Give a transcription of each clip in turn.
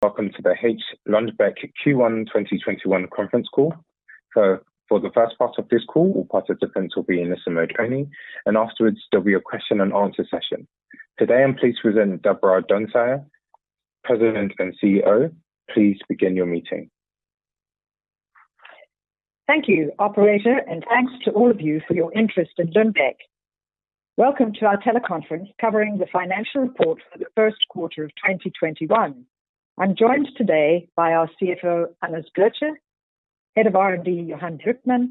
Welcome to the H. Lundbeck Q1 2021 Conference Call. For the first part of this call, all participants will be in a listen mode only, and afterwards there'll be a question and answer session. Today, I'm pleased to present Deborah Dunsire, President and Chief Executive Officer. Please begin your meeting. Thank you, Operator. Thanks to all of you for your interest in H. Lundbeck. Welcome to our teleconference covering the financial report for the first quarter of 2021. I'm joined today by our Chief Financial Officer, Anders Götzsche, Head of R&D, Johan Luthman,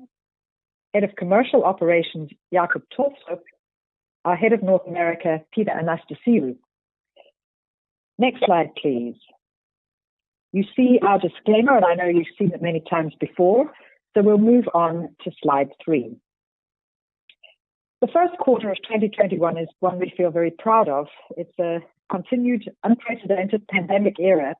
Head of Commercial Operations, Jacob Tolstrup, our Head of North America, Peter Anastasiou. Next slide, please. You see our disclaimer. I know you've seen it many times before. We'll move on to slide three. The first quarter of 2021 is one we feel very proud of. It's a continued unprecedented pandemic era.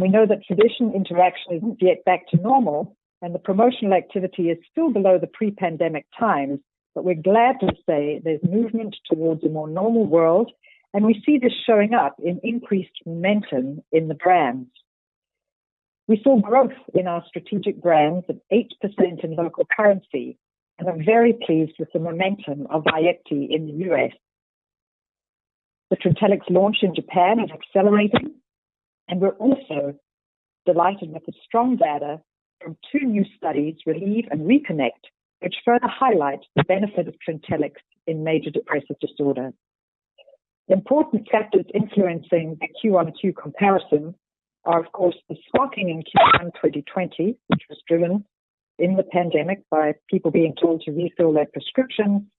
We know that physician interaction isn't yet back to normal. The promotional activity is still below the pre-pandemic times. We're glad to say there's movement towards a more normal world. We see this showing up in increased momentum in the brands. We saw growth in our strategic brands of 8% in local currency, and we're very pleased with the momentum of VYEPTI in the U.S. The TRINTELLIX launch in Japan is accelerating, and we're also delighted with the strong data from two new studies, RELIEVE and RECONNECT, which further highlight the benefit of TRINTELLIX in major depressive disorder. The important factors influencing the Q1 2020 comparison are, of course, the stocking in Q1 2020, which was driven in the pandemic by people being told to refill their prescription.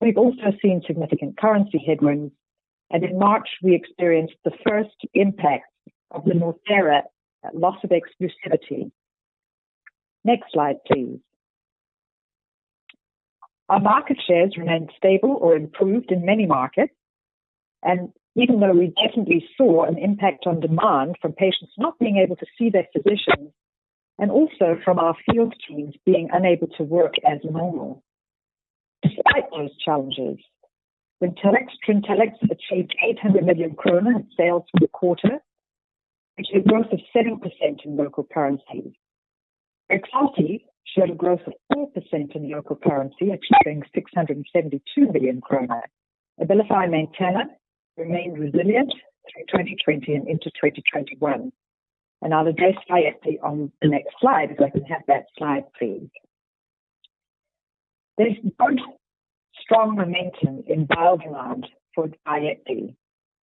We've also seen significant currency headwinds, and in March, we experienced the first impact of SYCREST loss of exclusivity. Next slide, please. Our market shares remained stable or improved in many markets, and even though we definitely saw an impact on demand from patients not able to see their physicians, and also from our field teams being unable to work as normal. Despite those challenges, TRINTELLIX achieved 800 million kroner in sales for the quarter, which is a growth of 7% in local currency. REXULTI showed a growth of 4% in local currency, achieving 672 million kroner. ABILIFY MAINTENA remains resilient through 2020 and into 2021. I'll address VYEPTI on the next slide. If I can have that slide, please. There's good, strong momentum in VYEPTI,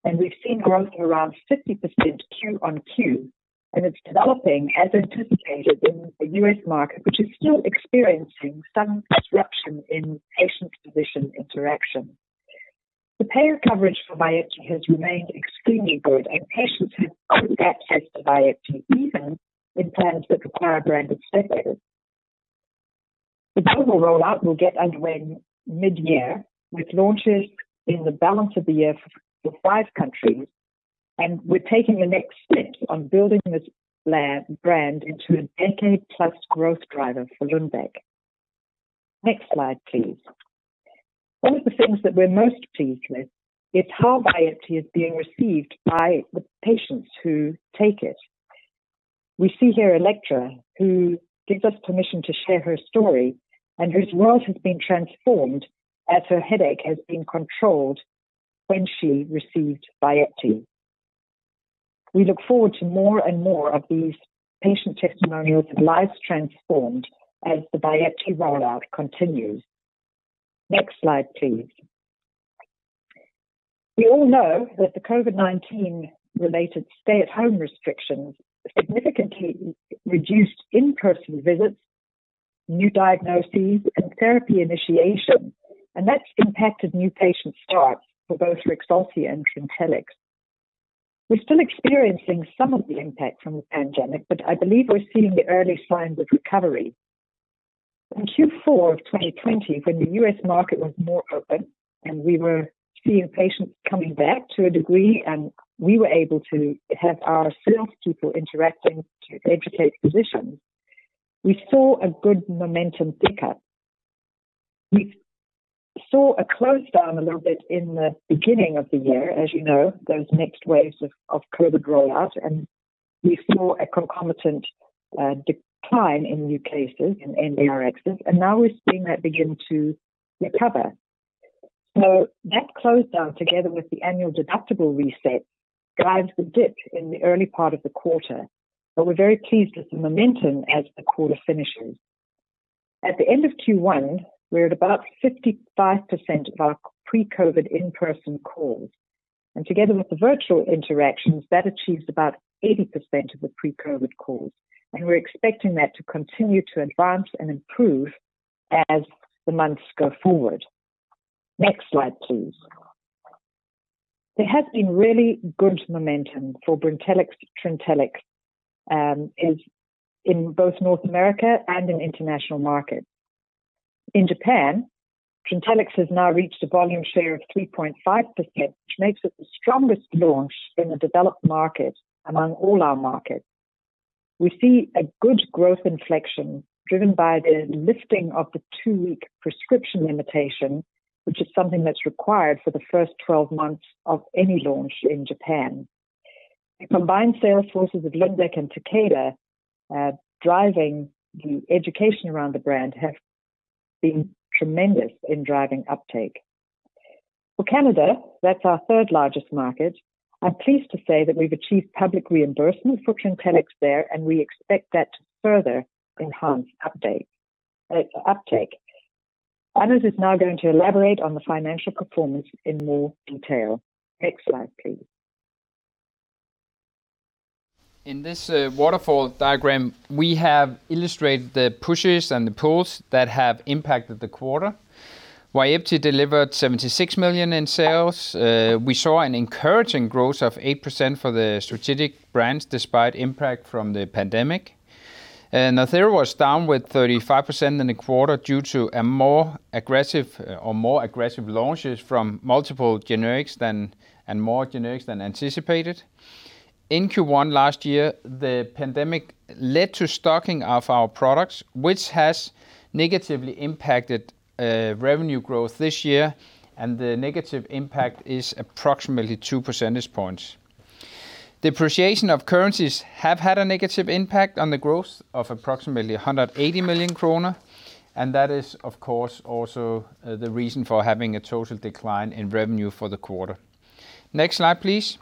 and we've seen growth around 50% Q-on-Q, and it's developing as anticipated in the U.S. market, which is still experiencing some disruption in patient-physician interaction. The payer coverage for VYEPTI has remained extremely good, and patients have good access to VYEPTI even in times that require brand assistance. The global rollout will get underway mid-year, with launches in the balance of the year for five countries, and we're taking the next step on building this brand into a decade-plus growth driver for Lundbeck. Next slide, please. One of the things that we're most pleased with is how VYEPTI is being received by the patients who take it. We see here Electra, who gives us permission to share her story and whose world has been transformed as her headache has been controlled when she received VYEPTI. We look forward to more and more of these patient testimonials of lives transformed as the VYEPTI rollout continues. Next slide, please. We all know that the COVID-19 related stay-at-home restrictions significantly reduced in-person visits, new diagnoses, and therapy initiation. That's impacted new patient starts for both REXULTI and TRINTELLIX. We're still experiencing some of the impact from the pandemic, but I believe we're seeing the early signs of recovery. In Q4 of 2020 when the U.S. market was more open, we were seeing patients coming back to a degree, we were able to have our sales people interacting to educate physicians. We saw a good momentum pickup. We saw a close down a little bit in the beginning of the year. As you know, those next waves of COVID rollout, we saw a concomitant decline in new cases and NBRx, now we're seeing that begin to recover. That closed down together with the annual deductible reset, guides the dip in the early part of the quarter, we're very pleased with the momentum as the quarter finishes. At the end of Q1, we're at about 55% of our pre-COVID in-person calls, and together with the virtual interactions, that achieves about 80% of the pre-COVID calls, and we're expecting that to continue to advance and improve as the months go forward. Next slide, please. There has been really good momentum for TRINTELLIX in both North America and in international markets. In Japan, TRINTELLIX has now reached a volume share of 3.5%, which makes it the strongest launch in the developed market among all our markets. We see a good growth inflection driven by the lifting of the two-week prescription limitation, which is something that's required for the first 12 months of any launch in Japan. The combined sales forces of Lundbeck and Takeda driving the education around the brand has been tremendous in driving uptake. For Canada, that's our third largest market, I'm pleased to say that we've achieved public reimbursement for TRINTELLIX there, and we expect that to further enhance uptake. Anders is now going to elaborate on the financial performance in more detail. Next slide, please. In this waterfall diagram, we have illustrated the pushes and the pulls that have impacted the quarter. VYEPTI delivered 76 million in sales. We saw an encouraging growth of 8% for the strategic brands despite impact from the pandemic. NORTHERA was down with 35% in the quarter due to more aggressive launches from multiple generics than anticipated. In Q1 last year, the pandemic led to stocking of our products, which has negatively impacted revenue growth this year. The negative impact is approximately 2 percentage points. Depreciation of currencies have had a negative impact on the growth of approximately 180 million kroner. That is, of course, also the reason for having a total decline in revenue for the quarter. Next slide, please.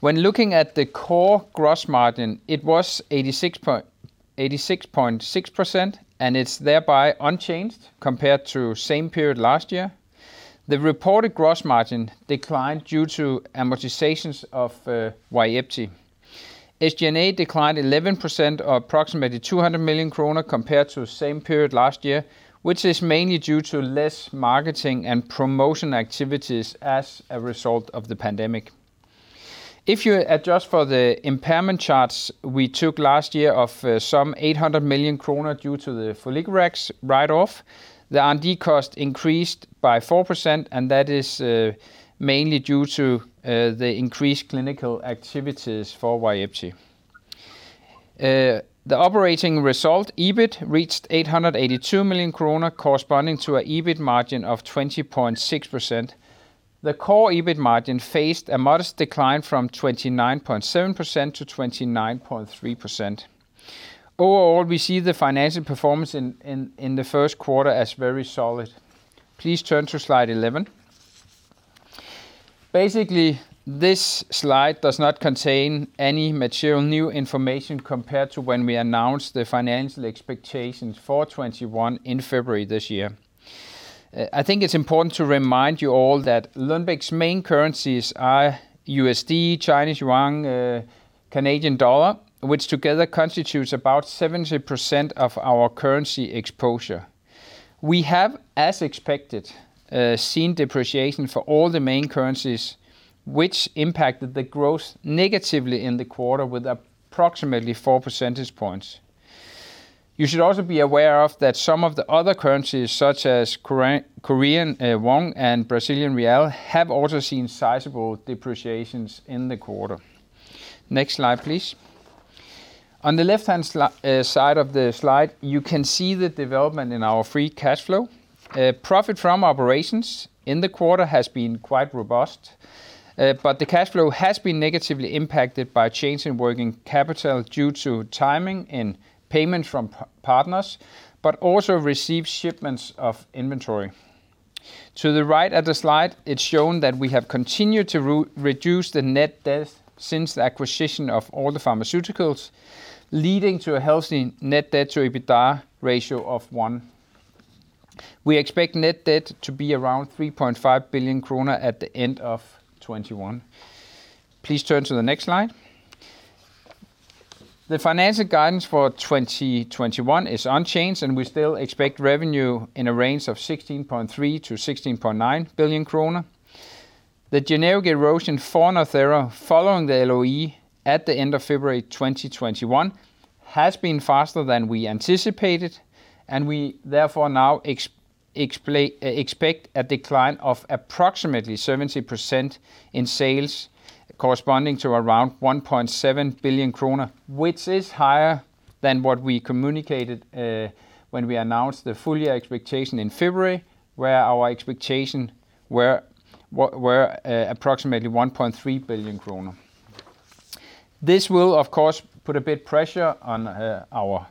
When looking at the core gross margin, it was 86.6%. It's thereby unchanged compared to same period last year. The reported gross margin declined due to amortizations of VYEPTI. SG&A declined 11% or approximately 200 million kroner compared to same period last year, which is mainly due to less marketing and promotion activities as a result of the pandemic. If you adjust for the impairment charges we took last year of some 800 million kroner due to the foliglurax write-off, the R&D cost increased by 4%. That is mainly due to the increased clinical activities for VYEPTI. The operating result, EBIT, reached 882 million kroner corresponding to an EBIT margin of 20.6%. The core EBIT margin faced a modest decline from 29.7% to 29.3%. Overall, we see the financial performance in the first quarter as very solid. Please turn to slide 11. Basically, this slide does not contain any material new information compared to when we announced the financial expectations for 2021 in February this year. I think it's important to remind you all that Lundbeck's main currencies are USD, Chinese Yuan, Canadian Dollar, which together constitutes about 70% of our currency exposure. We have, as expected, seen depreciation for all the main currencies, which impacted the growth negatively in the quarter with approximately four percentage points. You should also be aware of that some of the other currencies, such as Korean won and Brazilian real, have also seen sizable depreciations in the quarter. Next slide, please. On the left-hand side of the slide, you can see the development in our free cash flow. Profit from operations in the quarter has been quite robust, but the cash flow has been negatively impacted by change in working capital due to timing in payments from partners, but also received shipments of inventory. To the right of the slide, it's shown that we have continued to reduce the net debt since the acquisition of Alder Pharmaceuticals, leading to a healthy net debt to EBITDA ratio of one. We expect net debt to be around 3.5 billion kroner at the end of 2021. Please turn to the next slide. The financial guidance for 2021 is unchanged, and we still expect revenue in a range of 16.3 billion-16.9 billion kroner. The generic erosion for NORTHERA following the LOE at the end of February 2021 has been faster than we anticipated. We therefore now expect a decline of approximately 70% in sales corresponding to around 1.7 billion kroner. Which is higher than what we communicated when we announced the full year expectation in February, where our expectation were approximately 1.3 billion kroner. This will, of course, put a bit pressure on our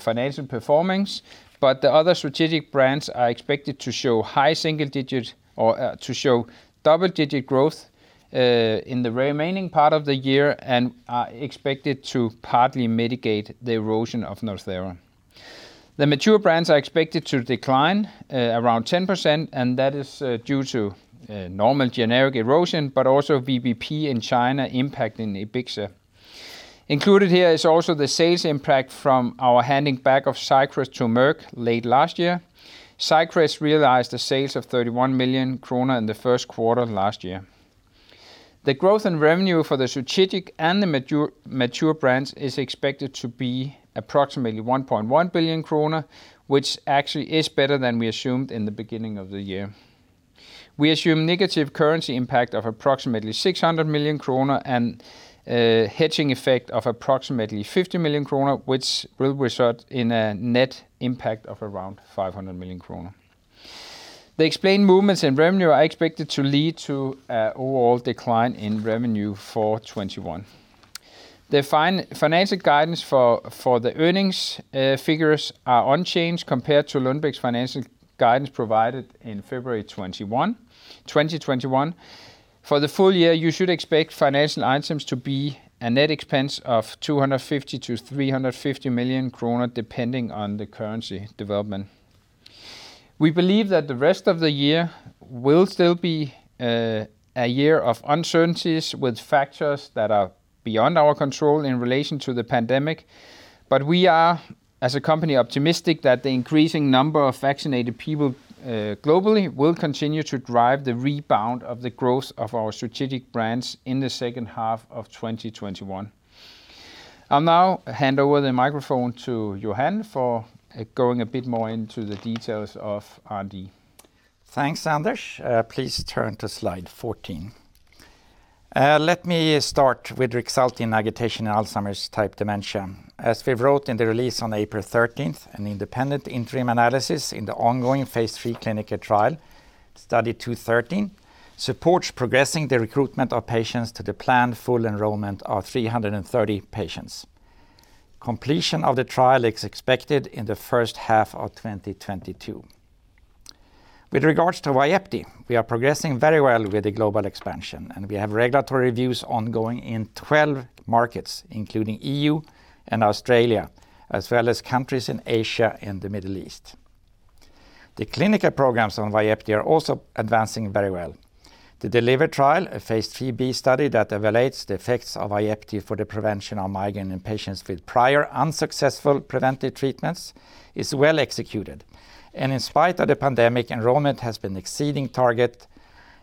financial performance. The other strategic brands are expected to show high single digits or to show double-digit growth in the remaining part of the year and are expected to partly mitigate the erosion of NORTHERA. The mature brands are expected to decline around 10%. That is due to normal generic erosion, but also VBP in China impacting EBIXA. Included here is also the sales impact from our handing back of SYCREST to Merck late last year. Sycrest realized a sales of 31 million kroner in the first quarter last year. The growth in revenue for the strategic and the mature brands is expected to be approximately 1.1 billion kroner, which actually is better than we assumed in the beginning of the year. We assume negative currency impact of approximately 600 million kroner and a hedging effect of approximately 50 million kroner, which will result in a net impact of around 500 million kroner. The explained movements in revenue are expected to lead to an overall decline in revenue for 2021. The financial guidance for the earnings figures are unchanged compared to Lundbeck's financial guidance provided in February 2021. For the full year, you should expect financial items to be a net expense of 250 million-350 million kroner, depending on the currency development. We believe that the rest of the year will still be a year of uncertainties with factors that are beyond our control in relation to the pandemic. We are, as a company, optimistic that the increasing number of vaccinated people globally will continue to drive the rebound of the growth of our strategic brands in the second half of 2021. I'll now hand over the microphone to Johan for going a bit more into the details of R&D. Thanks, Anders. Please turn to slide 14. Let me start with REXULTI in agitation in Alzheimer's type dementia. As we wrote in the release on April 13th, an independent interim analysis in the ongoing phase III clinical trial, Study 213, supports progressing the recruitment of patients to the planned full enrollment of 330 patients. Completion of the trial is expected in the first half of 2022. With regards to VYEPTI, we are progressing very well with the global expansion, and we have regulatory reviews ongoing in 12 markets, including EU and Australia, as well as countries in Asia and the Middle East. The clinical programs on VYEPTI are also advancing very well. The DELIVER trial, a phase III-B study that evaluates the effects of VYEPTI for the prevention of migraine in patients with prior unsuccessful preventive treatments, is well executed. In spite of the pandemic, enrollment has been exceeding target,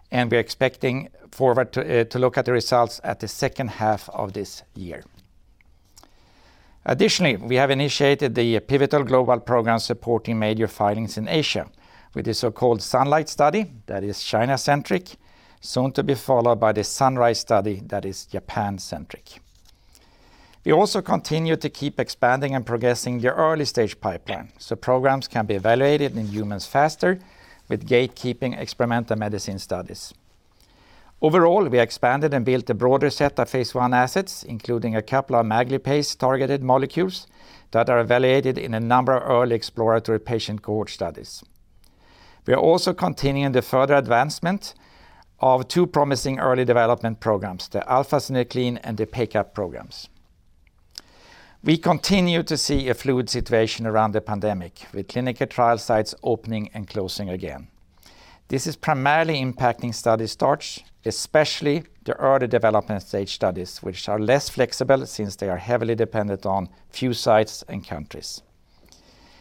and we're expecting to look at the results at the second half of this year. Additionally, we have initiated the pivotal global program supporting major filings in Asia with the so-called SUNLIGHT study that is China-centric, soon to be followed by the SUNRISE study that is Japan-centric. We also continue to keep expanding and progressing the early-stage pipeline so programs can be evaluated in humans faster with gatekeeping experimental medicine studies. Overall, we expanded and built a broader set of phase I assets, including a couple of MAGL-targeted molecules that are evaluated in a number of early exploratory patient cohort studies. We are also continuing the further advancement of two promising early development programs, the alpha-synuclein and the PACAP programs. We continue to see a fluid situation around the pandemic, with clinical trial sites opening and closing again. This is primarily impacting study starts, especially the early development stage studies, which are less flexible since they are heavily dependent on few sites and countries.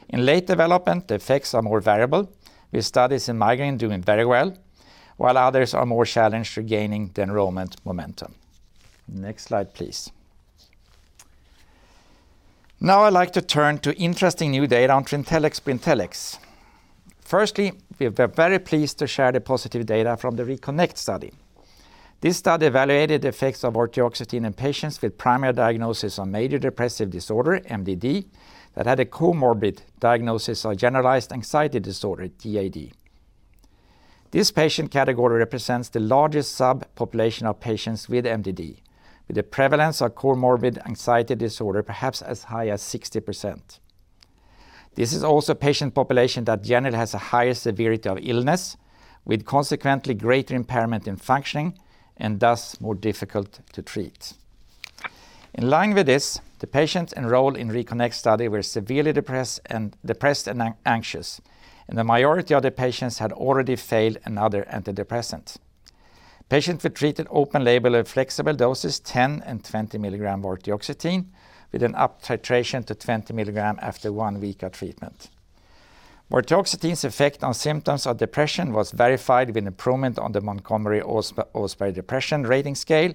In late development, the effects are more variable, with studies in migraine doing very well, while others are more challenged regaining the enrollment momentum. Next slide, please. I'd like to turn to interesting new data on TRINTELLIX/Brintellix. We're very pleased to share the positive data from the RECONNECT study. This study evaluated effects of vortioxetine in patients with primary diagnosis on major depressive disorder, MDD, that had a comorbid diagnosis of generalized anxiety disorder, GAD. This patient category represents the largest subpopulation of patients with MDD, with a prevalence of comorbid anxiety disorder perhaps as high as 60%. This is also a patient population that generally has a higher severity of illness, with consequently greater impairment in functioning and thus more difficult to treat. In line with this, the patients enrolled in RECONNECT study were severely depressed and anxious, and the majority of the patients had already failed another antidepressant. Patients were treated open-label at flexible doses, 10 mg and 20 mg vortioxetine, with an uptitration to 20 mg after one week of treatment. Vortioxetine's effect on symptoms of depression was verified with an improvement on the Montgomery–Åsberg Depression Rating Scale.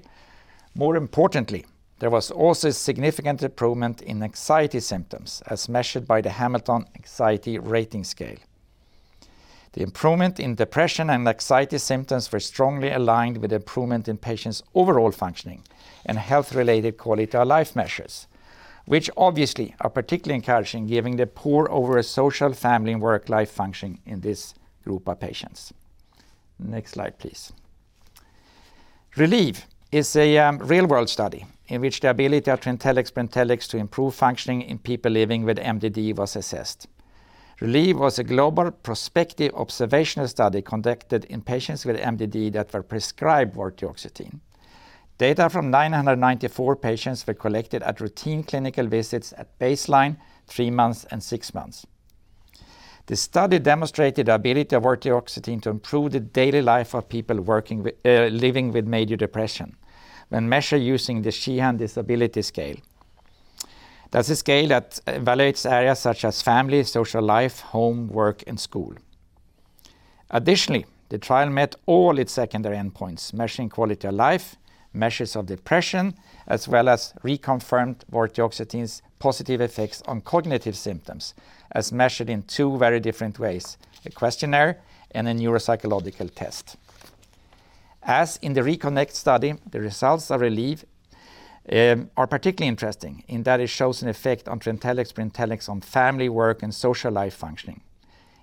More importantly, there was also a significant improvement in anxiety symptoms as measured by the Hamilton Anxiety Rating Scale. The improvement in depression and anxiety symptoms were strongly aligned with improvement in patients' overall functioning and health-related quality of life measures, which obviously are particularly encouraging given the poor overall social, family, and work life functioning in this group of patients. Next slide, please. RELIEVE is a real-world study in which the ability of TRINTELLIX/Brintellix to improve functioning in people living with MDD was assessed. RELIEVE was a global prospective observational study conducted in patients with MDD that were prescribed vortioxetine. Data from 994 patients were collected at routine clinical visits at baseline, three months, and six months. The study demonstrated the ability of vortioxetine to improve the daily life of people living with major depression when measured using the Sheehan Disability Scale. That's a scale that evaluates areas such as family, social life, home, work, and school. Additionally, the trial met all its secondary endpoints, measuring quality of life, measures of depression, as well as reconfirmed vortioxetine's positive effects on cognitive symptoms as measured in two very different ways, a questionnaire and a neuropsychological test. As in the RECONNECT study, the results of RELIEVE are particularly interesting in that it shows an effect on TRINTELLIX, Brintellix on family, work, and social life functioning.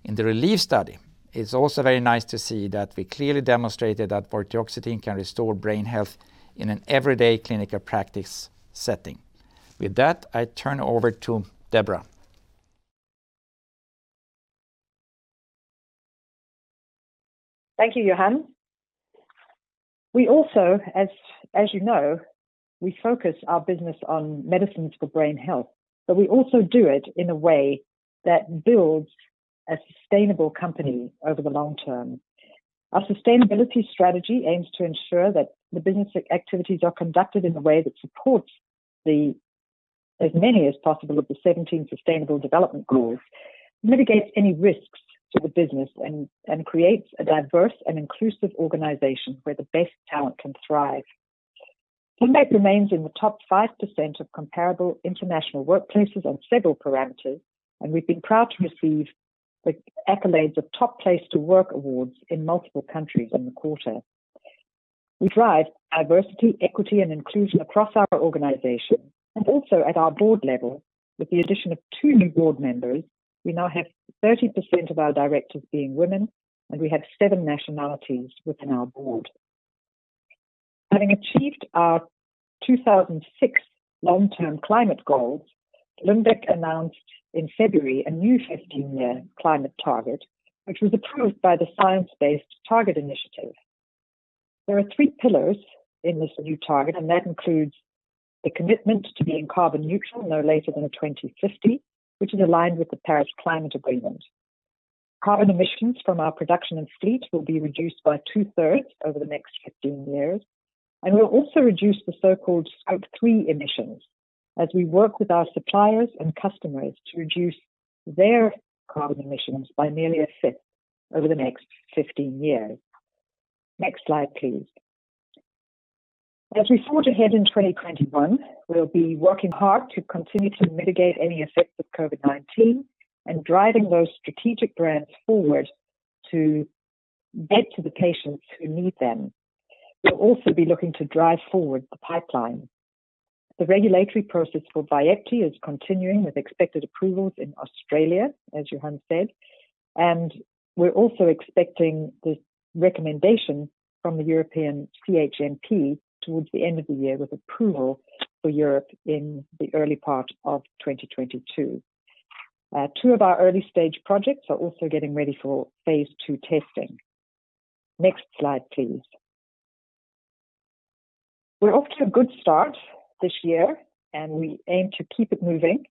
In the RELIEVE study, it's also very nice to see that we clearly demonstrated that vortioxetine can restore brain health in an everyday clinical practice setting. With that, I turn over to Deborah. Thank you, Johan. As you know, we focus our business on medicines for brain health, but we also do it in a way that builds a sustainable company over the long term. Our sustainability strategy aims to ensure that the business activities are conducted in a way that supports as many as possible of the 17 sustainable development goals, mitigates any risks to the business, and creates a diverse and inclusive organization where the best talent can thrive. Lundbeck remains in the top 5% of comparable international workplaces on several parameters, and we've been proud to receive the accolades of Top Place to Work awards in multiple countries in the quarter. We drive diversity, equity, and inclusion across our organization and also at our board level. With the addition of two new board members, we now have 30% of our directors being women, and we have seven nationalities within our board. Having achieved our 2006 long-term climate goals, Lundbeck announced in February a new 15-year climate target, which was approved by the Science Based Targets initiative. There are three pillars in this new target, and that includes the commitment to being carbon neutral no later than 2050, which is aligned with the Paris Climate Agreement. Carbon emissions from our production and fleet will be reduced by two-thirds over the next 15 years, and we'll also reduce the so-called Scope 3 emissions as we work with our suppliers and customers to reduce their carbon emissions by nearly a fifth over the next 15 years. Next slide, please. As we forge ahead in 2021, we'll be working hard to continue to mitigate any effects of COVID-19 and driving those strategic brands forward to get to the patients who need them. We'll also be looking to drive forward the pipeline. The regulatory process for VYEPTI is continuing with expected approvals in Australia, as Johan said, and we're also expecting the recommendation from the European CHMP towards the end of the year with approval for Europe in the early part of 2022. Two of our early-stage projects are also getting ready for phase II testing. Next slide, please. We're off to a good start this year, and we aim to keep it moving.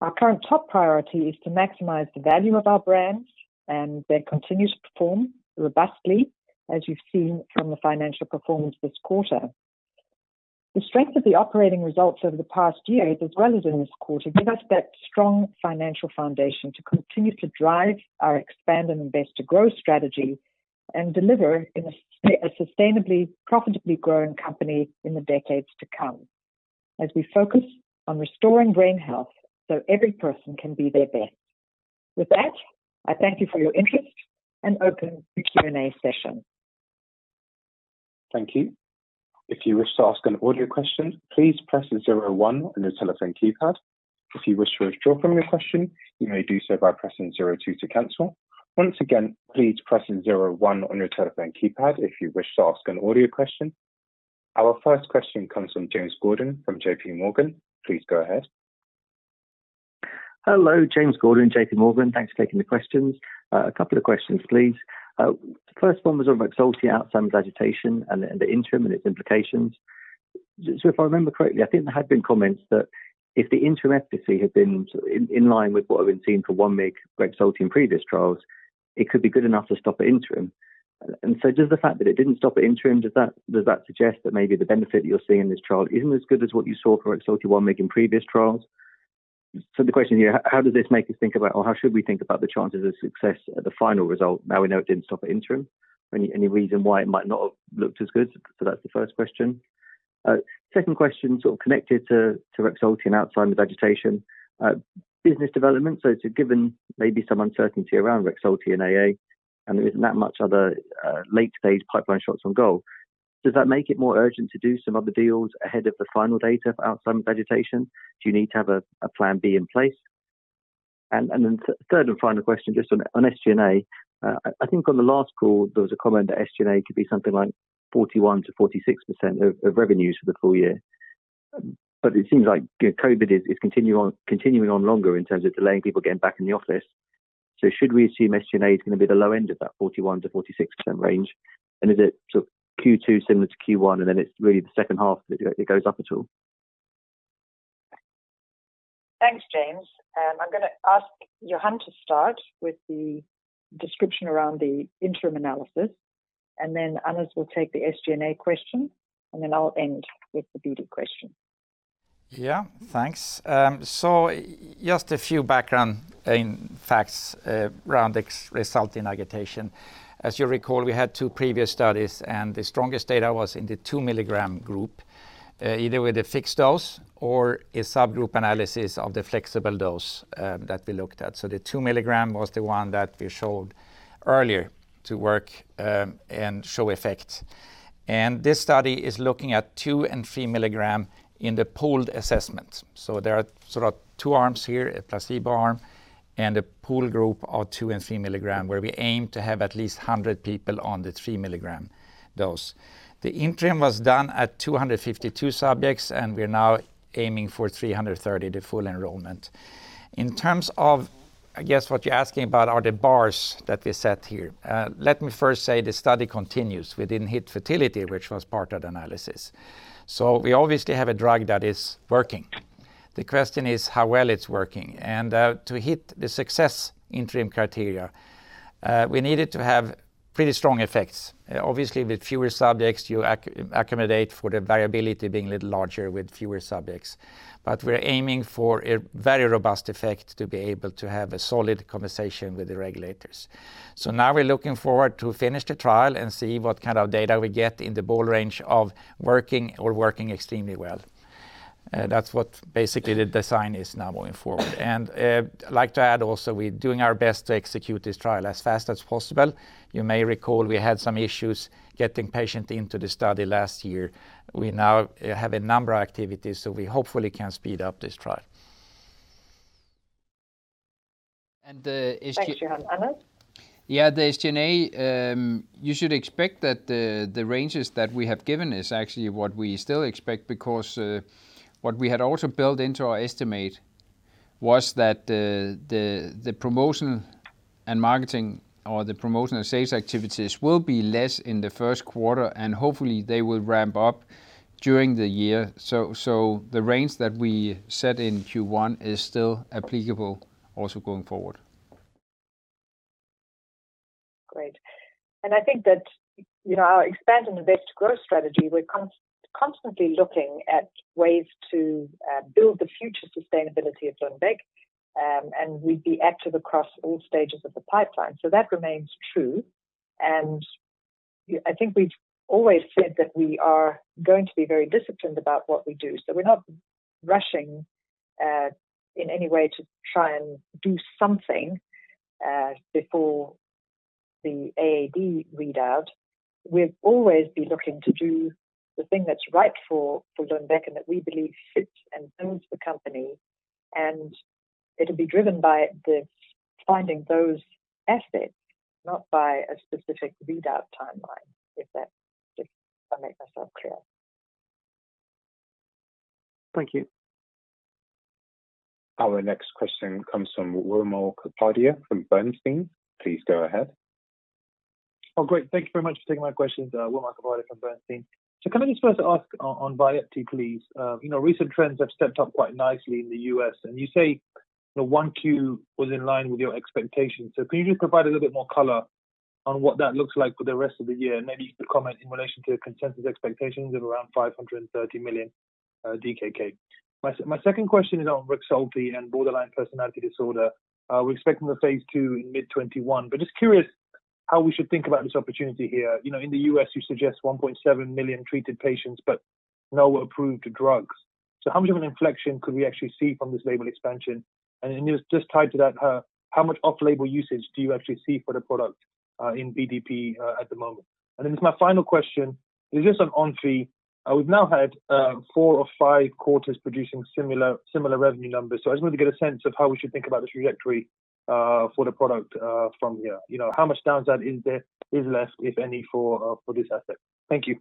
Our current top priority is to maximize the value of our brands, and they continue to perform robustly as you've seen from the financial performance this quarter. The strength of the operating results over the past years as well as in this quarter give us that strong financial foundation to continue to drive our expand and invest to grow strategy and deliver a sustainably profitably growing company in the decades to come as we focus on restoring brain health so every person can be their best. With that, I thank you for your interest and open the Q&A session. Our first question comes from James Gordon from JPMorgan. Please go ahead. Hello. James Gordon, JPMorgan. Thanks for taking the questions. A couple of questions, please. First one was on REXULTI, Alzheimer's agitation and the interim and its implications. If I remember correctly, I think there had been comments that if the interim efficacy had been in line with what we've been seeing for one mg REXULTI in previous trials, it could be good enough to stop at interim. Does the fact that it didn't stop at interim, does that suggest that maybe the benefit that you'll see in this trial isn't as good as what you saw for REXULTI one mg in previous trials? The question here, how does this make you think about or how should we think about the chances of success at the final result now we know it didn't stop at interim? Any reason why it might not have looked as good? That's the first question. Second question sort of connected to REXULTI and Alzheimer's agitation. Business development, given maybe some uncertainty around REXULTI and AA, and there isn't that much other late-stage pipeline shots on goal, does that make it more urgent to do some other deals ahead of the final data for Alzheimer's agitation? Do you need to have a plan B in place? Third and final question, just on SG&A. I think on the last call, there was a comment that SG&A could be something like 41%-46% of revenues for the full year. It seems like COVID is continuing on longer in terms of delaying people getting back in the office. Should we assume SG&A is going to be the low end of that 41%-46% range? Is it sort of Q2 similar to Q1, and then it's really the second half that it goes up at all? Thanks, James. I'm going to ask Johan to start with the description around the interim analysis, and then Anders will take the SG&A question, and then I'll end with the BD question. Yeah, thanks. Just a few background facts around the result in agitation. As you recall, we had two previous studies, and the strongest data was in the 2 mg group, either with a fixed dose or a subgroup analysis of the flexible dose that we looked at. The 2 mg was the one that we showed earlier to work and show effect. This study is looking at 2 mg and 3 mg in the pooled assessment. There are two arms here, a placebo arm and a pool group of 2 mg and 3 mg, where we aim to have at least 100 people on the 3 mg dose. The interim was done at 252 subjects, and we're now aiming for 330, the full enrollment. In terms of, I guess, what you're asking about are the bars that we set here. Let me first say the study continues. We didn't hit futility, which was part of the analysis. We obviously have a drug that is working. The question is how well it's working. To hit the success interim criteria, we needed to have pretty strong effects. Obviously, with fewer subjects, you accommodate for the variability being a little larger with fewer subjects. We're aiming for a very robust effect to be able to have a solid conversation with the regulators. Now we're looking forward to finish the trial and see what kind of data we get in the ball range of working or working extremely well. That's what basically the design is now moving forward. I'd like to add also, we're doing our best to execute this trial as fast as possible. You may recall we had some issues getting patients into the study last year. We now have a number of activities, so we hopefully can speed up this trial. Thanks, Johan. Anders? Yeah, the SG&A, you should expect that the ranges that we have given is actually what we still expect because what we had also built into our estimate was that the promotion and marketing, or the promotion and sales activities will be less in the first quarter, and hopefully they will ramp up during the year. The range that we set in Q1 is still applicable also going forward. I think that our Expand and Invest growth strategy, we're constantly looking at ways to build the future sustainability of Lundbeck, and we'd be active across all stages of the pipeline. That remains true. I think we've always said that we are going to be very disciplined about what we do. We're not rushing in any way to try and do something before the AAD readout. We'll always be looking to do the thing that's right for Lundbeck and that we believe fits and builds the company, and it'll be driven by the finding those assets, not by a specific readout timeline, if that just make myself clear. Thank you. Our next question comes from Wimal Kapadia from Bernstein. Please go ahead. Great. Thank you very much for taking my questions. Wimal Kapadia from Bernstein. Can I just first ask on VYEPTI, please? Recent trends have stepped up quite nicely in the U.S., and you say the 1Q was in line with your expectations. Can you just provide a little bit more color on what that looks like for the rest of the year? Maybe you could comment in relation to the consensus expectations of around 530 million DKK. My second question is on REXULTI and borderline personality disorder. We're expecting the phase II in mid-2021, just curious how we should think about this opportunity here. In the U.S., you suggest 1.7 million treated patients, no approved drugs. How much of an inflection could we actually see from this label expansion? Just tied to that, how much off-label usage do you actually see for the product in BPD at the moment? My final question is just on ONFI. We've now had four or five quarters producing similar revenue numbers. I just wanted to get a sense of how we should think about this trajectory for the product from here. How much downside is left, if any, for this asset? Thank you.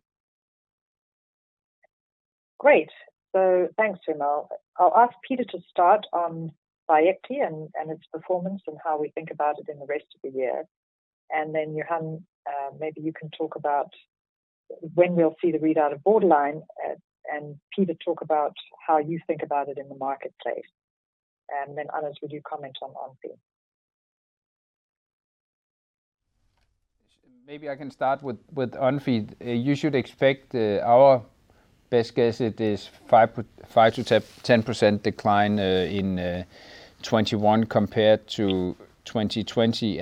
Great. Thanks, Wimal. I'll ask Peter to start on VYEPTI and its performance and how we think about it in the rest of the year. Johan, maybe you can talk about when we'll see the readout of Borderline, and Peter talk about how you think about it in the marketplace. Anders, would you comment on ONFI? Maybe I can start with ONFI. You should expect our best guess it is 5%-10% decline in 2021 compared to 2020.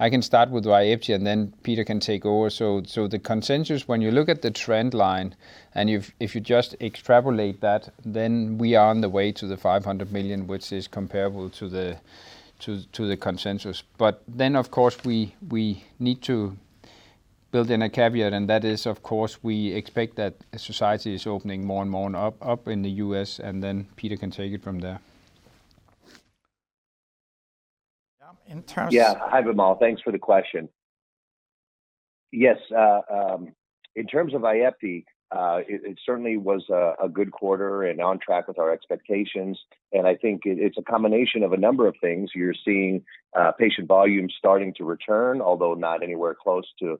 I can start with VYEPTI, and then Peter can take over. The consensus, when you look at the trend line, and if you just extrapolate that, then we are on the way to the 500 million, which is comparable to the consensus. Of course, we need to build in a caveat, and that is, of course, we expect that society is opening more and more up in the U.S., and then Peter can take it from there. Yeah. Hi, Wimal. Thanks for the question. Yes, in terms of VYEPTI, it certainly was a good quarter and on track with our expectations. I think it's a combination of a number of things. You're seeing patient volume starting to return, although not anywhere close to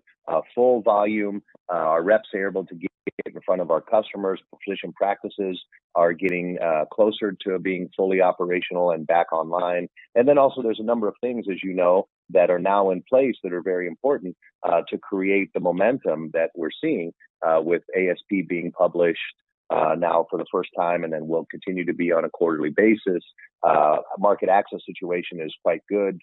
full volume. Our reps are able to get in front of our customers. Physician practices are getting closer to being fully operational and back online. Also there's a number of things, as you know, that are now in place that are very important to create the momentum that we're seeing with ASP being published now for the first time, and then will continue to be on a quarterly basis. Market access situation is quite good.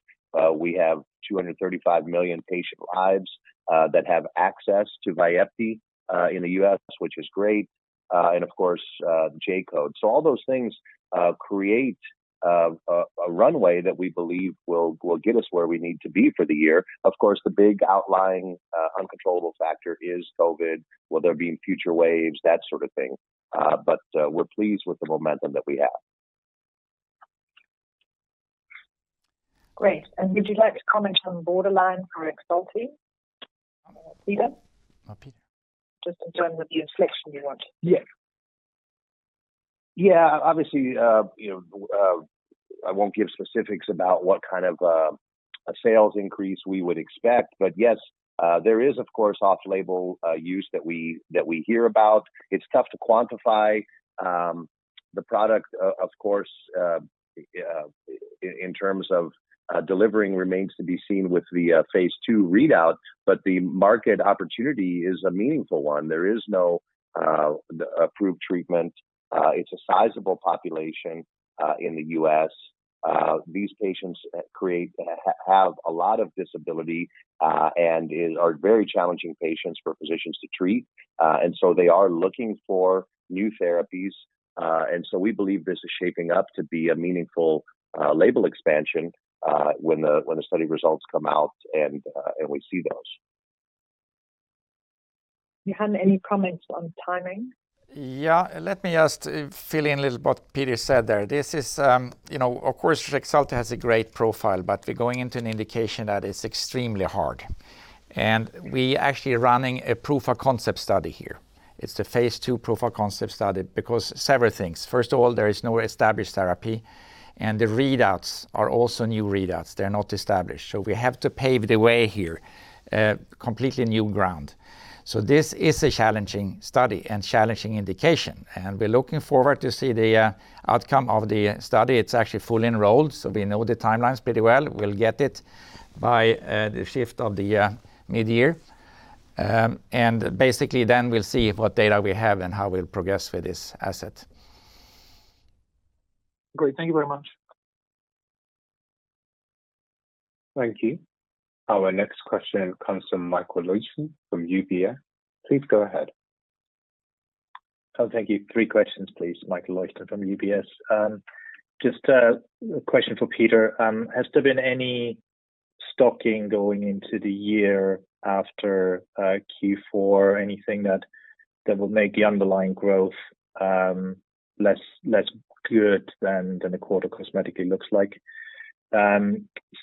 We have 235 million patient lives that have access to VYEPTI in the U.S., which is great. Of course, J-code. All those things create a runway that we believe will get us where we need to be for the year. Of course, the big outlying uncontrollable factor is COVID, will there be future waves, that sort of thing. We're pleased with the momentum that we have. Great. Would you like to comment on the borderline for REXULTI, Peter? Okay. Just in terms of the inspection, you want? Obviously, I won't give specifics about what kind of a sales increase we would expect. Yes, there is, of course, off-label use that we hear about. It's tough to quantify the product, of course, in terms of DELIVER remains to be seen with the phase II readout, but the market opportunity is a meaningful one. There is no approved treatment. It's a sizable population in the U.S. These patients have a lot of disability, and are very challenging patients for physicians to treat. They are looking for new therapies. We believe this is shaping up to be a meaningful label expansion when the study results come out and we see those. Johan, any comments on timing? Yeah. Let me just fill in a little what Peter said there. Of course, REXULTI has a great profile, but we're going into an indication that is extremely hard. We actually running a proof of concept study here. It's a phase II proof of concept study because several things. First of all, there is no established therapy, and the readouts are also new readouts. They're not established. We have to pave the way here, completely new ground. This is a challenging study and challenging indication, and we're looking forward to see the outcome of the study. It's actually fully enrolled, so we know the timelines pretty well. We'll get it by the shift of the mid-year. Basically then we'll see what data we have and how we'll progress with this asset. Great. Thank you very much. Thank you. Our next question comes from Michael Leuchten from UBS. Please go ahead. Thank you. Three questions, please. Michael Leuchten from UBS. Just a question for Peter. Has there been any stocking going into the year after Q4 or anything that will make the underlying growth less good than the quarter cosmetically looks like?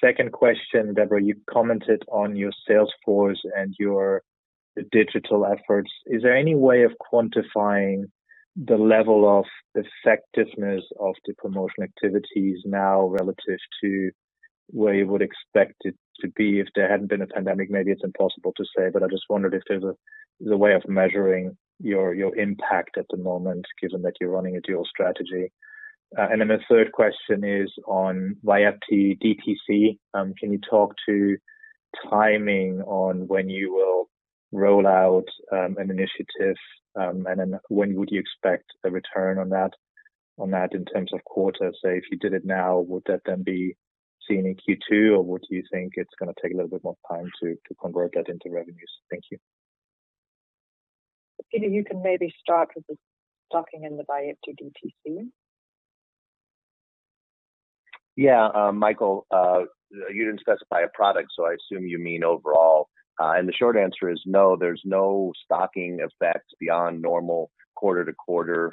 Second question, Deborah, you've commented on your sales force and your digital efforts. Is there any way of quantifying the level of effectiveness of the promotional activities now relative to where you would expect it to be if there hadn't been a pandemic? Maybe it's impossible to say, but I just wondered if there's a way of measuring your impact at the moment, given that you're running a dual strategy. The third question is on VYEPTI DTC. Can you talk to timing on when you will roll out an initiative? When would you expect a return on that in terms of quarter? Say, if you did it now, would that then be seen in Q2, or what do you think it's going to take a little bit more time to convert that into revenues? Thank you. Peter, you can maybe start with the stocking and the VYEPTI DTC. Yeah. Michael, you didn't specify a product, I assume you mean overall. The short answer is no, there's no stocking effects beyond normal quarter-to-quarter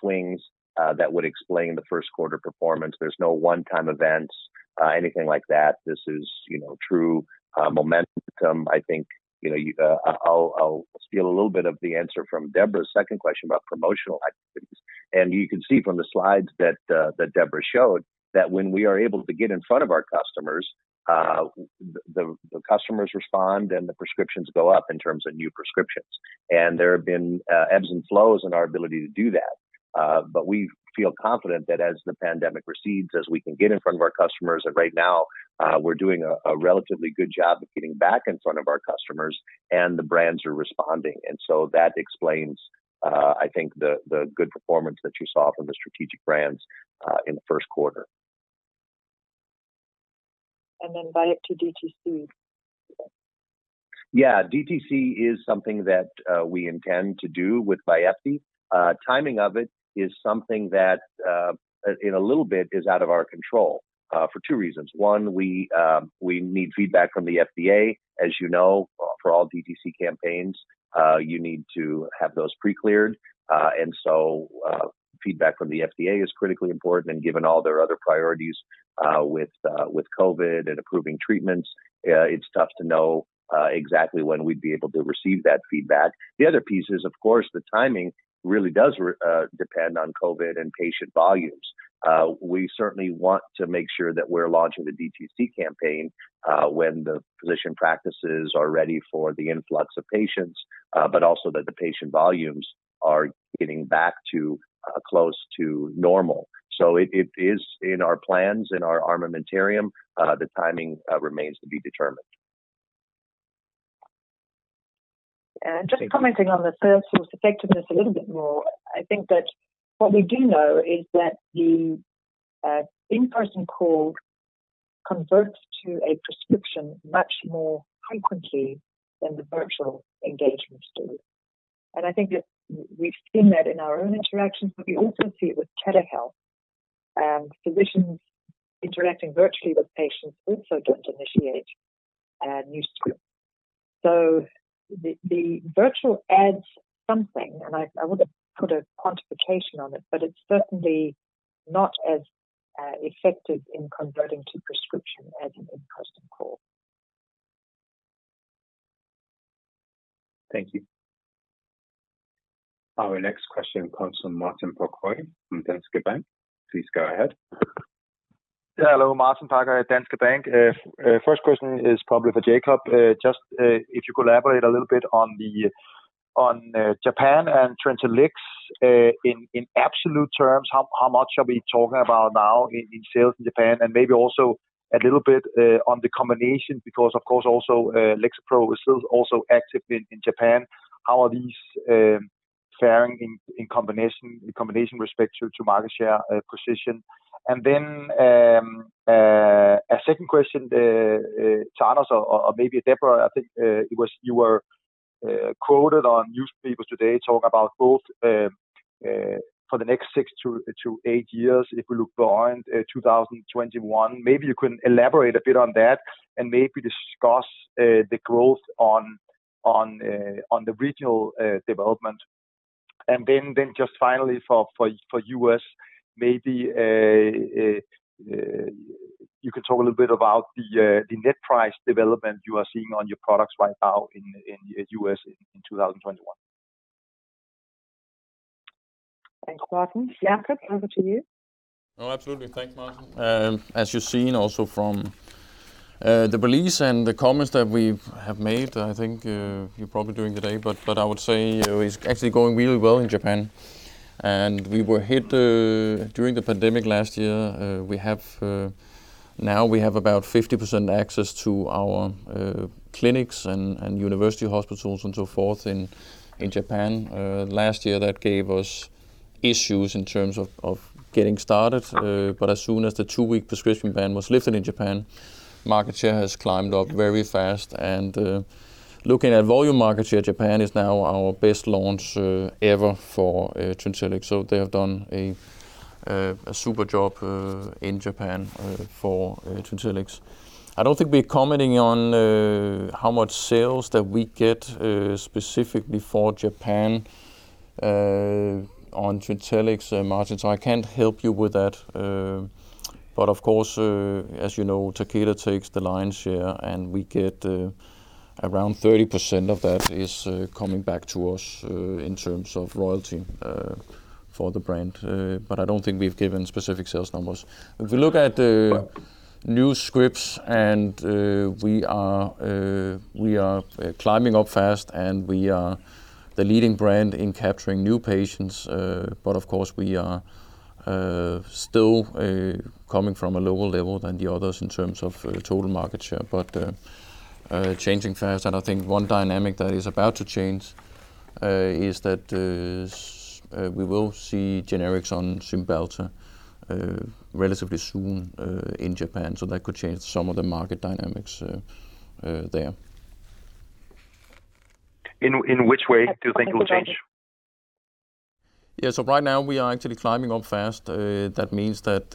swings that would explain the first quarter performance. There's no one-time events, anything like that. This is true momentum. I think I'll steal a little bit of the answer from Deborah's second question about promotional activities. You can see from the slides that Deborah showed, that when we are able to get in front of our customers, the customers respond and the prescriptions go up in terms of new prescriptions. There have been ebbs and flows in our ability to do that. We feel confident that as the pandemic recedes, as we can get in front of our customers, right now, we're doing a relatively good job of getting back in front of our customers, the brands are responding. That explains, I think, the good performance that you saw from the strategic brands in the first quarter. VYEPTI DTC. Yeah. DTC is something that we intend to do with VYEPTI. Timing of it is something that in a little bit is out of our control, for two reasons. One, we need feedback from the FDA. As you know, for all DTC campaigns, you need to have those pre-cleared. Feedback from the FDA is critically important. Given all their other priorities with COVID and approving treatments, it's tough to know exactly when we'd be able to receive that feedback. The other piece is, of course, the timing really does depend on COVID and patient volumes. We certainly want to make sure that we're launching a DTC campaign when the physician practices are ready for the influx of patients, but also that the patient volumes are getting back to close to normal. It is in our plans, in our armamentarium. The timing remains to be determined. Just commenting on the sales force effectiveness a little bit more. I think that what we do know is that the in-person call converts to a prescription much more frequently than the virtual engagements do. I think that we've seen that in our own interactions, but we also see it with telehealth. Physicians interacting virtually with patients also don't initiate new scripts. The virtual adds something, and I wouldn't put a quantification on it, but it's certainly not as effective in converting to prescription as an in-person call. Thank you. Our next question comes from Martin Parkhøi from Danske Bank. Please go ahead. Yeah. Hello, Martin Parkhøi, Danske Bank. First question is probably for Jacob. Just if you could elaborate a little bit on Japan and TRINTELLIX. In absolute terms, how much are we talking about now in sales in Japan? And maybe also a little bit on the combination because, of course, also Lexapro is still also active in Japan. How are these faring in combination respect to market share position? A second question to Anders or maybe Deborah. I think you were quoted on newspapers today talking about growth for the next six to eight years if we look beyond 2021. Maybe you can elaborate a bit on that and maybe discuss the growth on the regional development. Finally for U.S., maybe you could talk a little bit about the net price development you are seeing on your products right now in U.S. in 2021. Thanks, Martin. Jacob, over to you. Oh, absolutely. Thanks, Martin. As you've seen also from the release and the comments that we have made, I think you probably during the day, but I would say it's actually going really well in Japan. We were hit during the pandemic last year. Now we have about 50% access to our clinics and university hospitals and so forth in Japan. Last year, that gave us issues in terms of getting started. As soon as the two-week prescription ban was lifted in Japan, market share has climbed up very fast. Looking at volume market share, Japan is now our best launch ever for TRINTELLIX. They have done a super job in Japan forTRINTELLIX. I don't think we're commenting on how much sales that we get specifically for Japan on TRINTELLIX, Martin, so I can't help you with that. Of course, as you know, Takeda takes the lion's share, and we get around 30% of that is coming back to us in terms of royalty for the brand. I don't think we've given specific sales numbers. If you look at new scripts and we are climbing up fast, and we are the leading brand in capturing new patients. Of course, we are still coming from a lower level than the others in terms of total market share, but changing fast. I think one dynamic that is about to change, is that we will see generics on Cymbalta relatively soon in Japan. That could change some of the market dynamics there. In which way do you think it will change? Yeah. Right now we are actually climbing up fast. That means that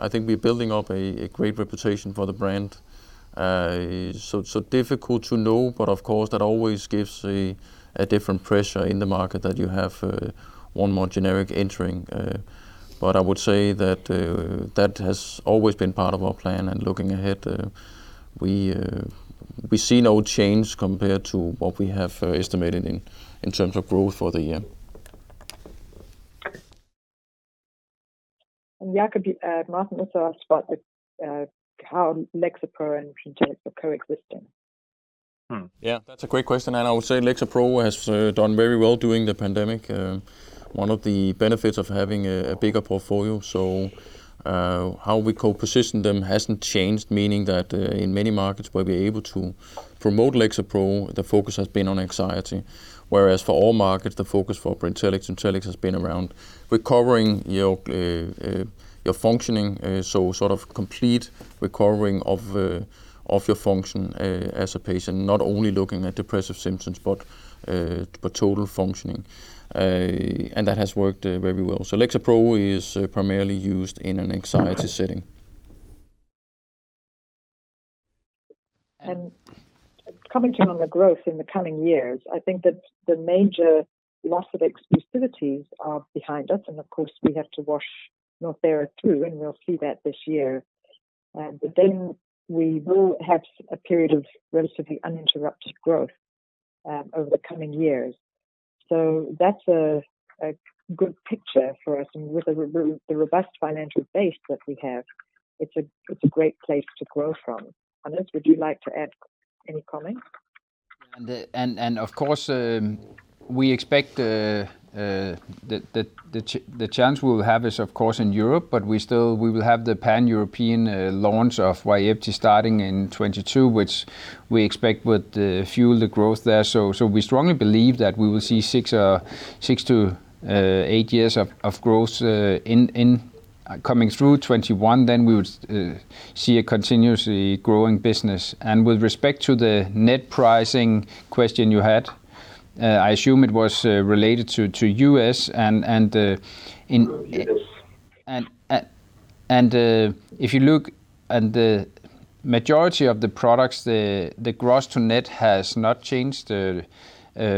I think we're building up a great reputation for the brand. Difficult to know, but of course, that always gives a different pressure in the market that you have one more generic entering. I would say that that has always been part of our plan and looking ahead, we see no change compared to what we have estimated in terms of growth for the year. Jacob, Martin also asked about how Lexapro and TRINTELLIX are coexisting. Yeah, that's a great question. I would say Lexapro has done very well during the pandemic. One of the benefits of having a bigger portfolio. How we co-position them hasn't changed, meaning that in many markets where we're able to promote Lexapro, the focus has been on anxiety. Whereas for all markets, the focus for Brintellix/TRINTELLIX has been around recovering your functioning. Sort of complete recovering of your function as a patient, not only looking at depressive symptoms, but total functioning. That has worked very well. Lexapro is primarily used in an anxiety setting. Commenting on the growth in the coming years, I think that the major loss of exclusivities are behind us, and of course, we have to wash NORTHERA too, and we'll see that this year. We will have a period of relatively uninterrupted growth over the coming years. That's a good picture for us. With the robust financial base that we have, it's a great place to grow from. Anders, would you like to add any comments? Of course, we expect the chance we'll have is, of course, in Europe, but we will have the pan-European launch of VYEPTI starting in 2022, which we expect would fuel the growth there. We strongly believe that we will see six to eight years of growth coming through 2021. We would see a continuously growing business. With respect to the net pricing question you had, I assume it was related to U.S. Yes. If you look at the majority of the products, the gross to net has not changed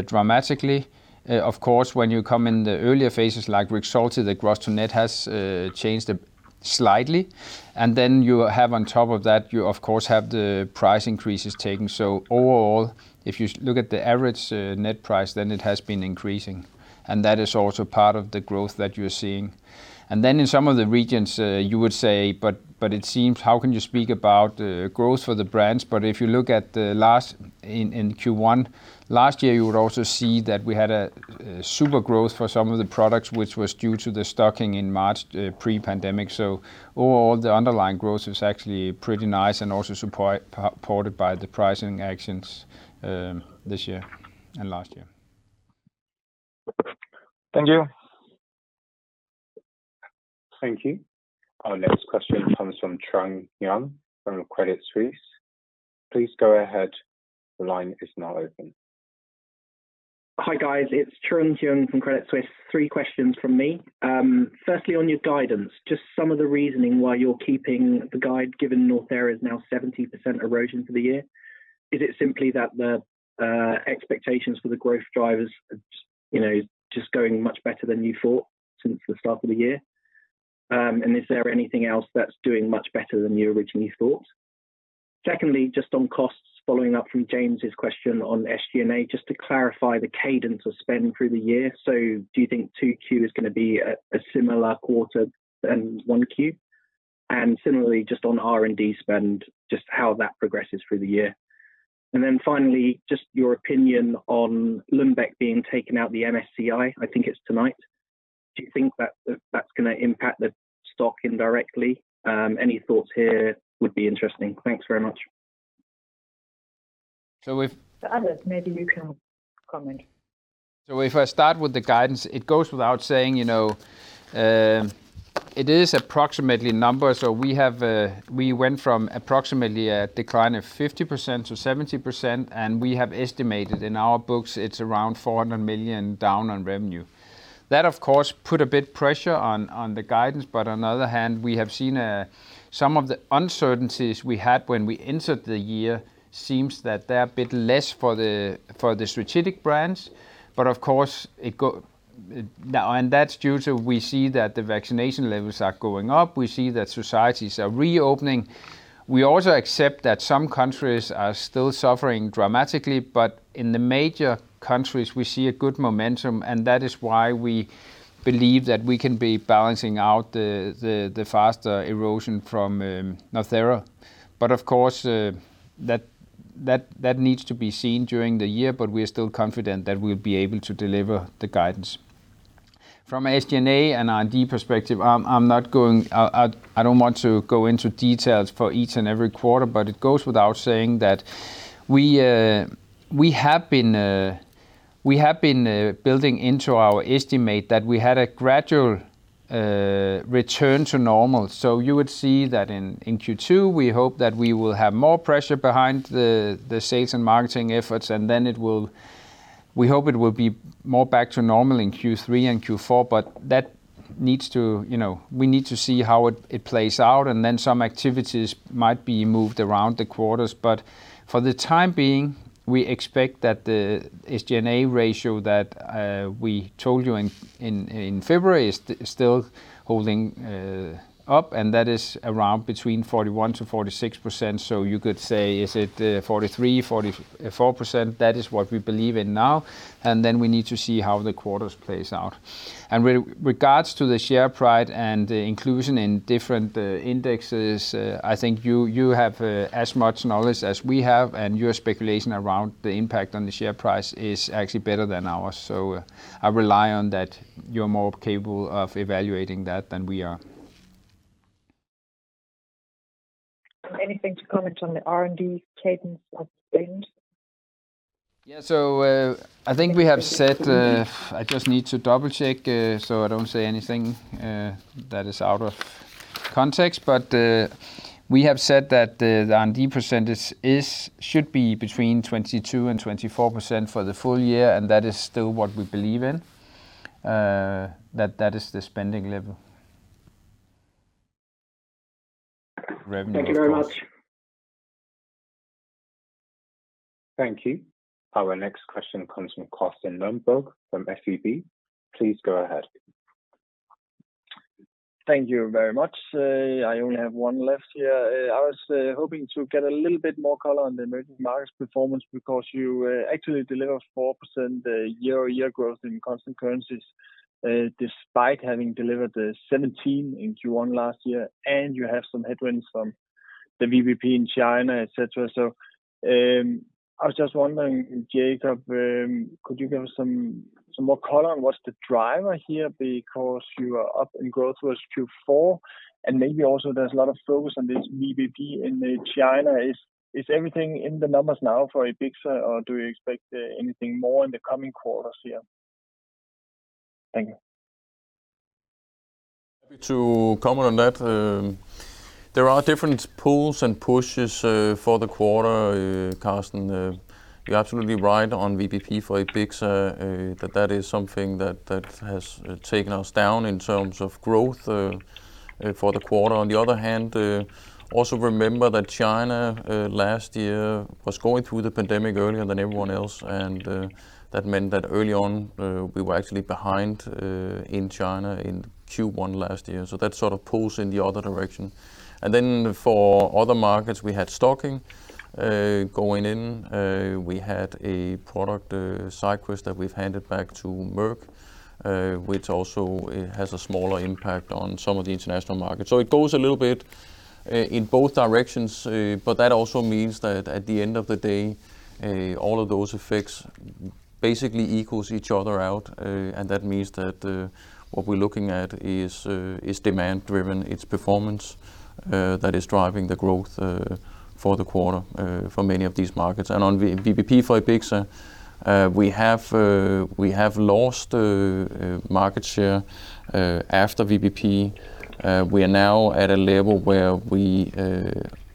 dramatically. Of course, when you come in the earlier phases like REXULTI, the gross to net has changed slightly. You have on top of that, you of course have the price increases taken. Overall, if you look at the average net price, it has been increasing, and that is also part of the growth that you're seeing. In some of the regions, you would say, it seems how can you speak about growth for the brands? If you look at in Q1 last year, you would also see that we had a super growth for some of the products, which was due to the stocking in March pre-pandemic. Overall, the underlying growth was actually pretty nice and also supported by the pricing actions this year and last year. Thank you. Thank you. Our next question comes from Trung Huynh from Credit Suisse. Please go ahead. Hi, guys. It's Trung Huynh from Credit Suisse. Three questions from me. Firstly, on your guidance, just some of the reasoning why you're keeping the guide given North America is now 70% erosion for the year. Is it simply that the expectations for the growth drivers, just going much better than you thought since the start of the year? Is there anything else that's doing much better than you originally thought? Secondly, just on costs, following up from James's question on SG&A, just to clarify the cadence of spend through the year. Do you think 2Q is going to be a similar quarter than 1Q? Similarly, just on R&D spend, just how that progresses through the year. Finally, just your opinion on Lundbeck being taken out the MSCI, I think it's tonight. Do you think that's going to impact the stock indirectly? Any thoughts here would be interesting. Thanks very much. For Anders, maybe you can comment. If I start with the guidance, it goes without saying, it is approximately numbers. We went from approximately a decline of 50% to 70%, and we have estimated in our books it's around 400 million down on revenue. That, of course, put a bit pressure on the guidance. On the other hand, we have seen some of the uncertainties we had when we entered the year seems that they're a bit less for the strategic brands. Of course, and that's due to we see that the vaccination levels are going up. We see that societies are reopening. We also accept that some countries are still suffering dramatically. In the major countries, we see a good momentum, and that is why we believe that we can be balancing out the faster erosion from North America. Of course, that needs to be seen during the year, but we are still confident that we will be able to deliver the guidance. From an SG&A and R&D perspective, I do not want to go into details for each and every quarter, but it goes without saying that we have been building into our estimate that we had a gradual return to normal. You would see that in Q2, we hope that we will have more pressure behind the sales and marketing efforts, and then we hope it will be more back to normal in Q3 and Q4. We need to see how it plays out, and then some activities might be moved around the quarters. For the time being, we expect that the SG&A ratio that we told you in February is still holding up, and that is around between 41%-46%. You could say, is it 43%, 44%? That is what we believe in now, and then we need to see how the quarters plays out. With regards to the share price and the inclusion in different indexes, I think you have as much knowledge as we have, and your speculation around the impact on the share price is actually better than ours. I rely on that you're more capable of evaluating that than we are. Anything to comment on the R&D cadence of spend? Yeah. I think we have said, I just need to double-check, so I don't say anything that is out of context. We have said that the R&D percentage should be between 22% and 24% for the full year, and that is still what we believe in. That is the spending level. Thank you very much. Thank you. Our next question comes from Carsten Lundberg from SEB. Please go ahead. Thank you very much. I only have one left here. I was hoping to get a little bit more color on the emerging markets performance because you actually delivered 4% year-over-year growth in constant currencies despite having delivered the 17 in Q1 last year, and you have some headwinds from the VBP in China, et cetera. I was just wondering, Jacob, could you give us some more color on what's the driver here? Because you are up in growth versus Q4, and maybe also there's a lot of focus on this VBP in China. Is everything in the numbers now for Ebixa, or do you expect anything more in the coming quarters here? Thank you. Happy to comment on that. There are different pulls and pushes for the quarter, Carsten. You're absolutely right on VBP for Ebixa, that is something that has taken us down in terms of growth for the quarter. On the other hand, also remember that China last year was going through the pandemic earlier than everyone else, and that meant that early on we were actually behind in China in Q1 last year. That sort of pulls in the other direction. Then for other markets, we had stocking going in. We had a product, Sycrest, that we've handed back to Merck, which also has a smaller impact on some of the international markets. It goes a little bit in both directions. That also means that at the end of the day, all of those effects basically equals each other out. That means that what we're looking at is demand driven. It's performance that is driving the growth for the quarter for many of these markets. On VBP for Ebixa, we have lost market share after VBP. We are now at a level where we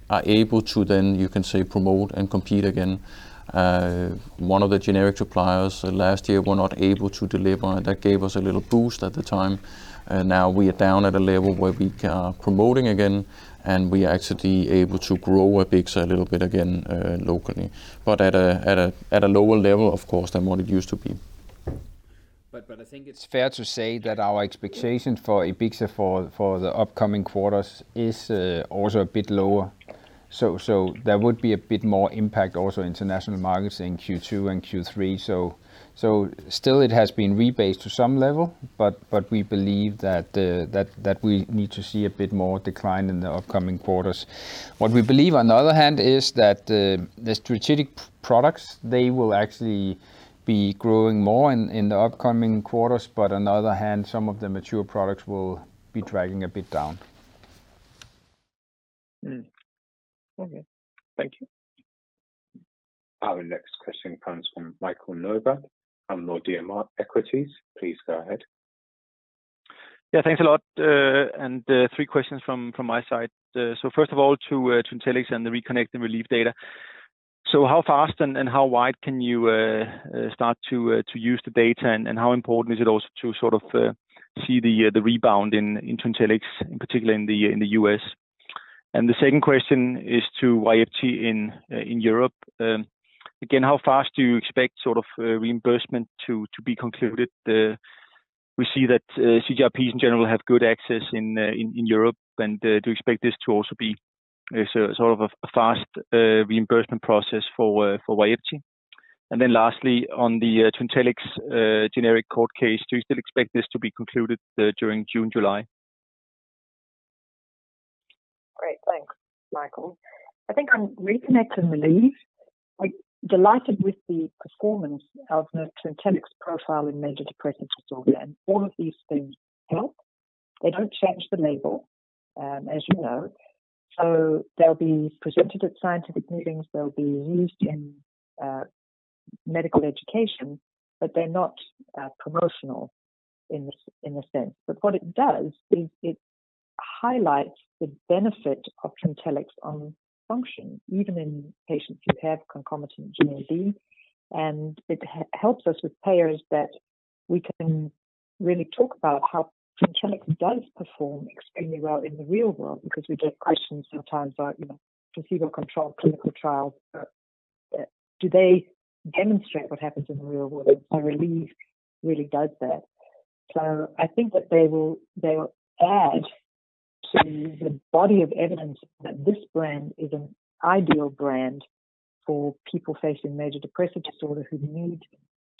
are able to then, you can say, promote and compete again. One of the generic suppliers last year were not able to deliver, and that gave us a little boost at the time. Now we are down at a level where we are promoting again, and we are actually able to grow Ebixa a little bit again locally, but at a lower level, of course, than what it used to be. I think it's fair to say that our expectation for Ebixa for the upcoming quarters is also a bit lower. There would be a bit more impact also international markets in Q2 and Q3. Still it has been rebased to some level, but we believe that we need to see a bit more decline in the upcoming quarters. What we believe, on the other hand, is that the strategic products, they will actually be growing more in the upcoming quarters, but on the other hand, some of the mature products will be dragging a bit down. Okay. Thank you. Our next question comes from Michael Novod, Nordea Markets. Please go ahead. Yeah, thanks a lot, and three questions from my side. First of all, to TRINTELLIX and the RECONNECT and RELIEVE data. How fast and how wide can you start to use the data, and how important is it also to sort of see the rebound in TRINTELLIX, in particular in the U.S.? The second question is to VYEPTI in Europe. Again, how fast do you expect sort of reimbursement to be concluded? We see that CGRPs in general have good access in Europe, and do you expect this to also be sort of a fast reimbursement process for VYEPTI? Lastly, on the TRINTELLIX generic court case, do you still expect this to be concluded during June, July? Great. Thanks, Michael. I think on RECONNECT and RELIEVE, I'm delighted with the performance of the TRINTELLIX profile in major depressive disorder. All of these things help. They don't change the label, as you know, so they'll be presented at scientific meetings, they'll be used in medical education, but they're not promotional in a sense. What it does is it highlights the benefit of TRINTELLIX on function, even in patients who have concomitant GAD. It helps us with payers that we can really talk about how TRINTELLIX does perform extremely well in the real world, because we get questions sometimes about placebo-controlled clinical trials. Do they demonstrate what happens in the real world? RELIEVE really does that. I think that they will add to the body of evidence that this brand is an ideal brand for people facing major depressive disorder who need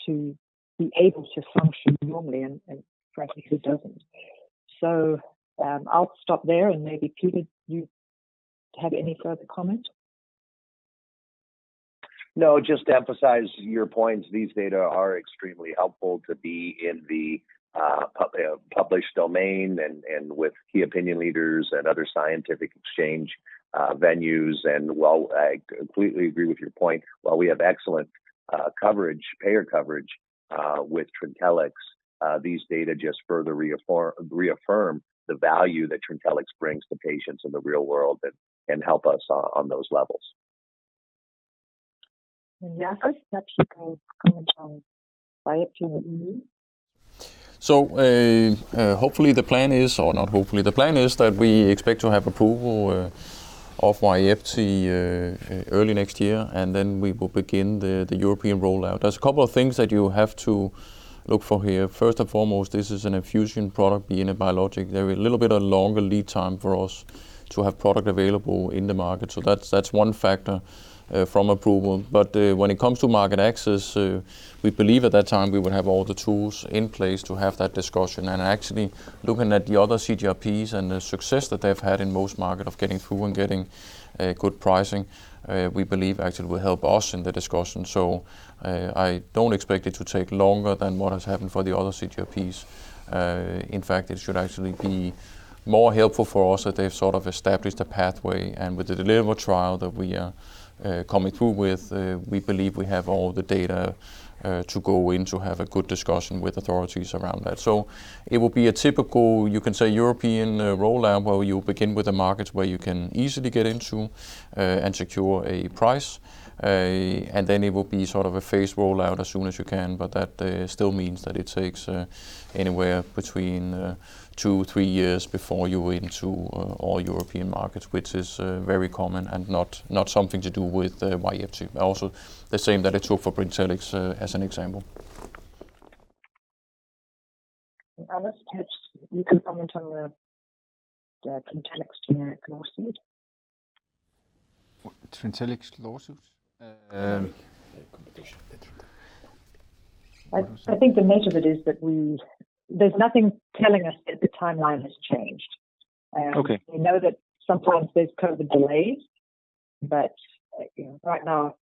to be able to function normally and, frankly, who doesn't. I'll stop there and maybe, Peter, you have any further comment? Just to emphasize your points, these data are extremely helpful to be in the published domain and with key opinion leaders and other scientific exchange venues. While I completely agree with your point, while we have excellent coverage, payer coverage with TRINTELLIX, these data just further reaffirm the value that TRINTELLIX brings to patients in the real world and help us on those levels. Jacob, perhaps you can comment on VYEPTI and RELIEVE? Hopefully the plan is, or not hopefully, the plan is that we expect to have approval of VYEPTI early next year, and then we will begin the European rollout. There's a couple of things that you have to look for here. First and foremost, this is an infusion product, being a biologic. There is a little bit of longer lead time for us to have product available in the market. That's one factor from approval. When it comes to market access, we believe at that time we will have all the tools in place to have that discussion. Actually, looking at the other CGRPs and the success that they've had in most markets of getting through and getting good pricing, we believe actually will help us in the discussion. I don't expect it to take longer than what has happened for the other CGRPs. In fact, it should actually be more helpful for us that they've sort of established a pathway. With the DELIVER trial that we are coming through with, we believe we have all the data to go in to have a good discussion with authorities around that. It will be a typical, you can say, European rollout, where you begin with the markets where you can easily get into and secure a price. Then it will be sort of a phased rollout as soon as you can. That still means that it takes anywhere between two, three years before you're into all European markets, which is very common and not something to do with VYEPTI. Also, the same that it took for TRINTELLIX, as an example. I was touched you can comment on the TRINTELLIX generic lawsuit? TRINTELLIX lawsuits? Competition, Peter. I think the meat of it is that there's nothing telling us that the timeline has changed. Okay. We know that sometimes there's COVID delays. Right now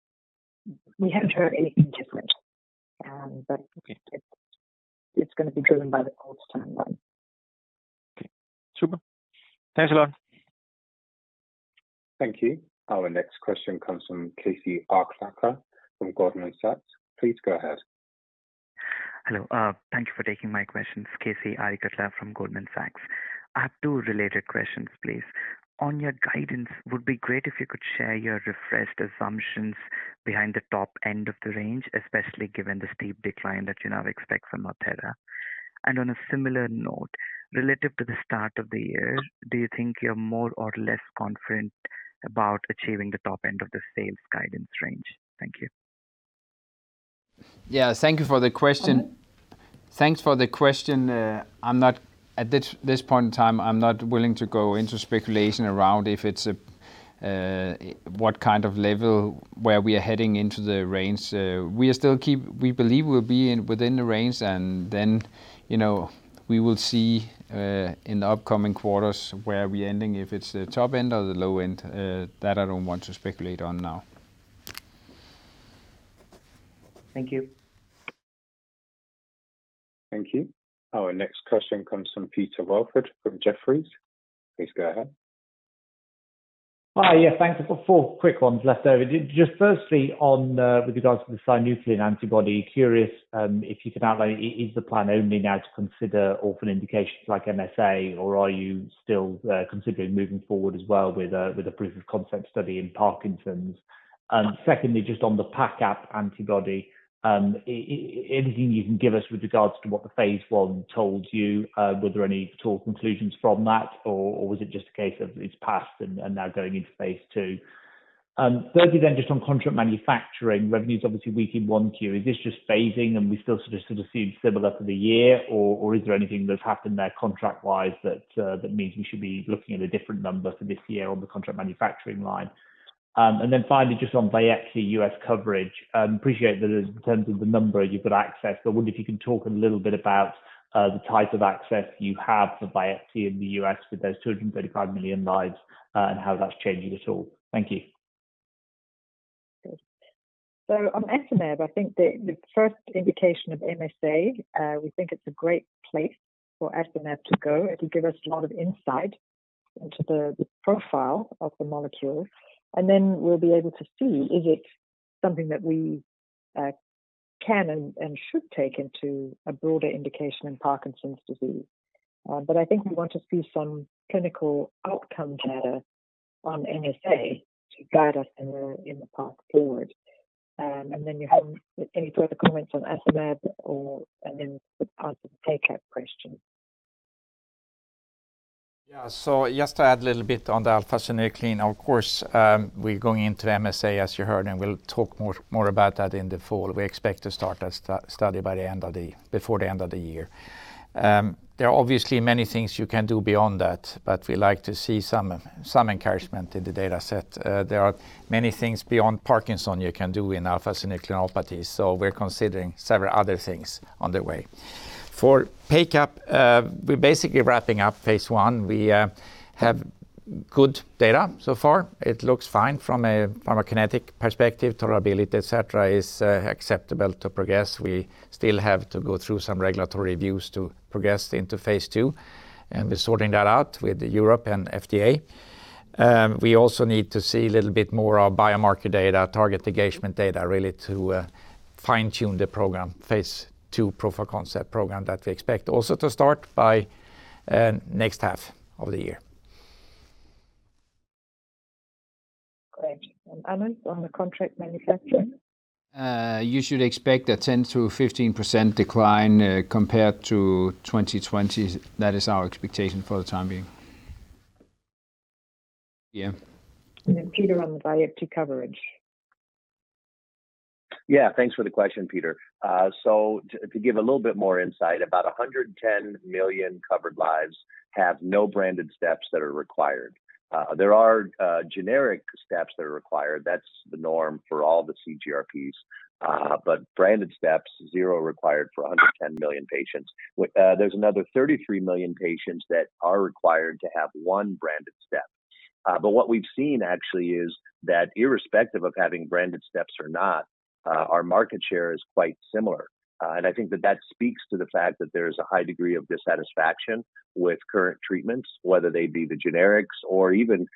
we haven't heard anything different. It's going to be driven by the old timeline. Okay, super. Thanks a lot. Thank you. Our next question comes from KC Arikatla from Goldman Sachs. Please go ahead. Hello. Thank you for taking my questions. KC Arikatla from Goldman Sachs. I have two related questions, please. On your guidance, would be great if you could share your refreshed assumptions behind the top end of the range, especially given the steep decline that you now expect from NORTHERA. On a similar note, relative to the start of the year, do you think you're more or less confident about achieving the top end of the sales guidance range? Thank you. Yeah, thank you for the question. Thanks for the question. At this point in time, I'm not willing to go into speculation around what kind of level where we are heading into the range. We believe we will be within the range and then we will see in the upcoming quarters where we ending, if it is the top end or the low end. That I don't want to speculate on now. Thank you. Thank you. Our next question comes from Peter Welford from Jefferies. Please go ahead. Hi. Yeah, thanks. I've got four quick ones left over. Just firstly, with regards to the synuclein antibody, curious if you could outline, is the plan only now to consider orphan indications like MSA, or are you still considering moving forward as well with a proof of concept study in Parkinson's? Secondly, just on the PACAP antibody, anything you can give us with regards to what the phase I told you? Were there any conclusions from that, or was it just a case of it's passed and now going into phase II? Thirdly, just on contract manufacturing revenues, obviously weak in 1Q. Is this just phasing and we still sort of seem similar for the year, or is there anything that's happened there contract-wise that means we should be looking at a different number for this year on the contract manufacturing line? Finally, just on VYEPTI U.S. coverage. Appreciate that in terms of the number you've got access, but I wonder if you can talk a little bit about the type of access you have for VYEPTI in the U.S. with those 235 million lives and how that's changing at all. Thank you. On Esmab, I think the first indication of MSA, we think it's a great place for Esmab to go. It will give us a lot of insight into the profile of the molecule, we'll be able to see, is it something that we can and should take into a broader indication in Parkinson's disease? I think we want to see some clinical outcome data on MSA to guide us in the path forward. You have any further comments on Esmab or, and then on to the PACAP question. Just to add a little bit on the alpha-synuclein. Of course, we're going into MSA, as you heard. We'll talk more about that in the fall. We expect to start that study before the end of the year. There are obviously many things you can do beyond that. We like to see some encouragement in the data set. There are many things beyond Parkinson's you can do in alpha-synucleinopathy. We're considering several other things on the way. For PACAP, we're basically wrapping up phase I. We have good data so far. It looks fine from a kinetic perspective. Tolerability, et cetera, is acceptable to progress. We still have to go through some regulatory views to progress into phase II. We're sorting that out with Europe and FDA. We also need to see a little bit more of biomarker data, target engagement data, really, to fine-tune the program, phase II proof of concept program that we expect also to start by next half of the year. Great. Anders on the contract manufacturing? You should expect a 10%-15% decline compared to 2020. That is our expectation for the time being. Yeah. Peter on the buy-in to coverage. Yeah. Thanks for the question, Peter. To give a little bit more insight, about 110 million covered lives have no branded steps that are required. There are generic steps that are required. That's the norm for all the CGRPs. Branded steps, zero required for 110 million patients. There's another 33 million patients that are required to have one branded step. What we've seen actually is that irrespective of having branded steps or not, our market share is quite similar. I think that speaks to the fact that there is a high degree of dissatisfaction with current treatments, whether they be the generics or even,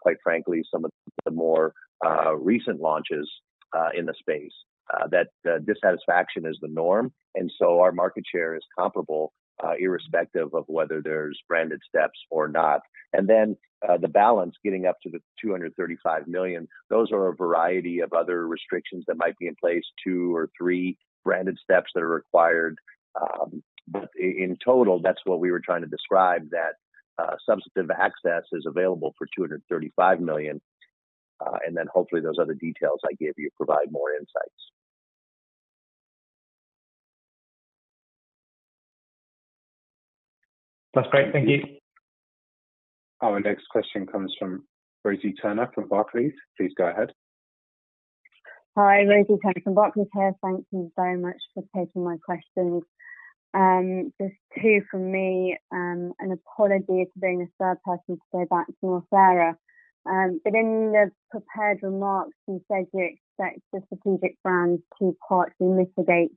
quite frankly, some of the more recent launches in the space. That dissatisfaction is the norm, our market share is comparable, irrespective of whether there's branded steps or not. The balance getting up to the 235 million, those are a variety of other restrictions that might be in place, two or three branded steps that are required. In total, that's what we were trying to describe, that substantive access is available for 235 million. Hopefully those other details I gave you provide more insights. That's great. Thank you. Our next question comes from Rosie Turner from Barclays. Please go ahead. Rosie Turner from Barclays here. Thank you so much for taking my questions. Just two from me. An apology to being a third person to go back to NORTHERA. In the prepared remarks, you said you expect the strategic brands to partly mitigate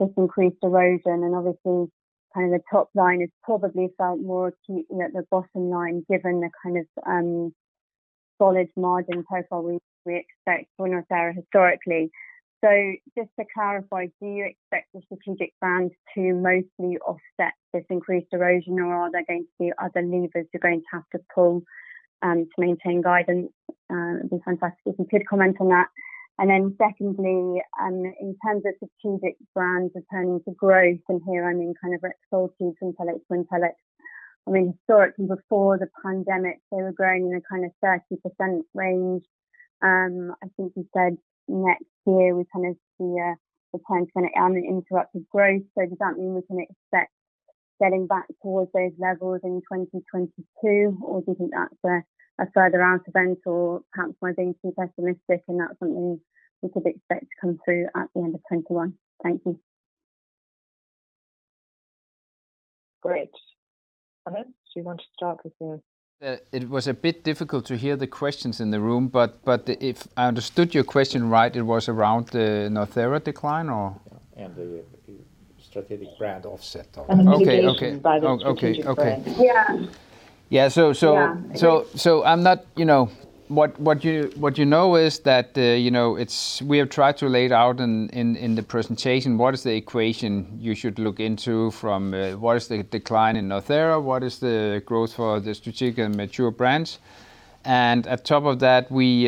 this increased erosion and obviously, kind of the top line has probably felt more acute than the bottom line given the kind of solid margin profile we expect for NORTHERA historically. Just to clarify, do you expect the strategic brand to mostly offset this increased erosion or are there going to be other levers you're going to have to pull to maintain guidance? It'd be fantastic if you could comment on that. Then secondly, in terms of strategic brands in terms of growth, and here I mean kind of REXULTI, TRINTELLIX, ONFI. I mean historically before the pandemic, they were growing in a kind of 30% range. I think you said next year we kind of see a return to an uninterrupted growth. Does that mean we can expect getting back towards those levels in 2022, or do you think that's a further out event, or perhaps am I being too pessimistic and that's something we could expect to come through at the end of 2021? Thank you. Great. Anders, do you want to start with the? It was a bit difficult to hear the questions in the room, but if I understood your question right, it was around the NORTHERA decline or? The strategic brand offset. The mitigation by the strategic brands. Yeah. Yeah. What you know is that we have tried to lay it out in the presentation, what is the equation you should look into from what is the decline in NORTHERA, what is the growth for the strategic and mature brands. On top of that, we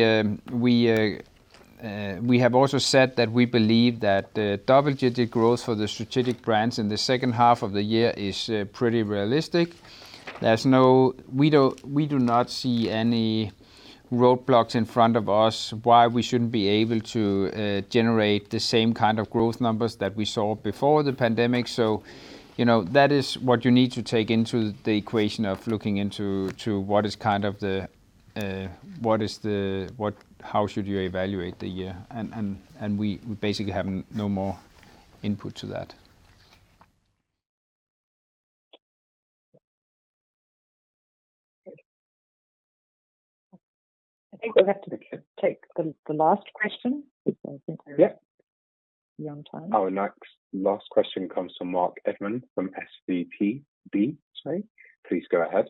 have also said that we believe that double-digit growth for the strategic brands in the second half of the year is pretty realistic. We do not see any roadblocks in front of us why we shouldn't be able to generate the same kind of growth numbers that we saw before the pandemic. That is what you need to take into the equation of looking into how should you evaluate the year. We basically have no more input to that. I think we'll have to take the last question because I think we're beyond time. Our next last question comes from Mark Edmond from SVB, sorry. Please go ahead.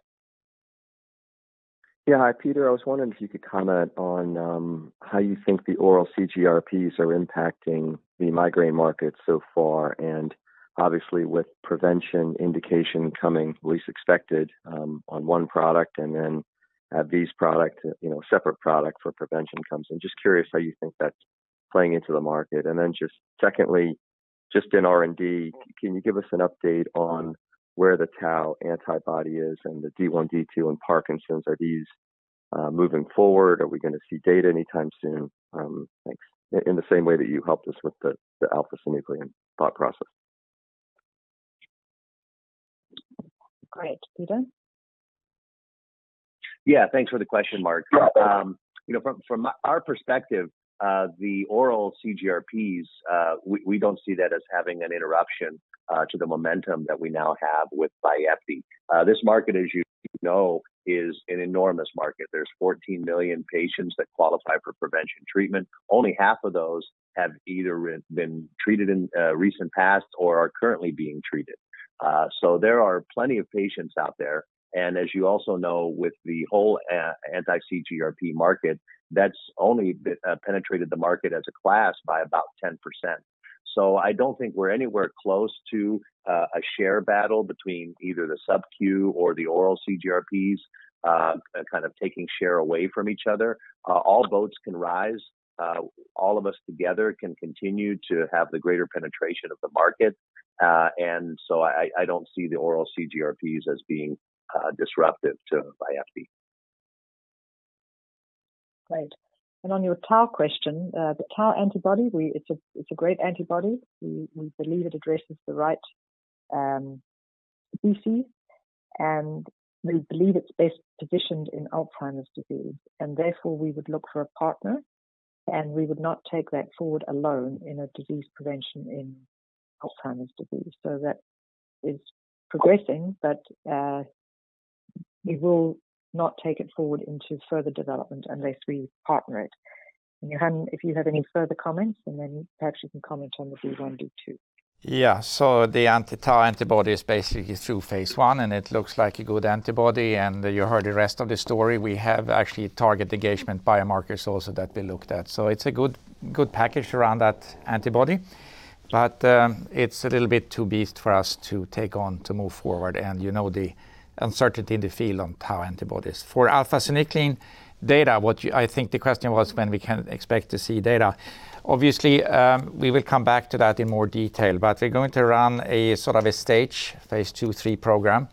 Yeah. Hi, Peter. I was wondering if you could comment on how you think the oral CGRPs are impacting the migraine market so far, and obviously with prevention indication coming least expected on one product and then AbbVie's product, separate product for prevention comes in. Just curious how you think that's playing into the market? Secondly, just in R&D, can you give us an update on where the tau antibody is and the D1/D2 in Parkinson's? Are these moving forward? Are we going to see data anytime soon? In the same way that you helped us with the alpha-synuclein thought process. Thanks. Great. Peter? Yeah. Thanks for the question, Mark. Yeah. From our perspective, the oral CGRPs, we don't see that as having an interruption to the momentum that we now have with VYEPTI. This market, as you know, is an enormous market. There's 14 million patients that qualify for prevention treatment. Only half of those have either been treated in recent past or are currently being treated. There are plenty of patients out there. As you also know, with the whole anti-CGRP market, that's only penetrated the market as a class by about 10%. I don't think we're anywhere close to a share battle between either the subcu or the oral CGRPs kind of taking share away from each other. All boats can rise. All of us together can continue to have the greater penetration of the market. I don't see the oral CGRPs as being disruptive to VYEPTI. Great. On your tau question, the tau antibody, it's a great antibody. We believe it addresses the right disease, and we believe it's best positioned in Alzheimer's disease. Therefore, we would look for a partner, and we would not take that forward alone in a disease prevention in Alzheimer's disease. That is progressing, but we will not take it forward into further development unless we partner it. If you have any further comments, and then perhaps you can comment on the D1/D2. Yeah. The anti-tau antibody is basically through phase I, and it looks like a good antibody. You heard the rest of the story. We have actually target engagement biomarkers also that we looked at. It's a good package around that antibody. It's a little bit too big for us to take on to move forward, and you know the uncertainty in the field on tau antibodies. For alpha-synuclein data, I think the question was when we can expect to see data. Obviously, we will come back to that in more detail, but we're going to run a sort of a stage phase II-III program,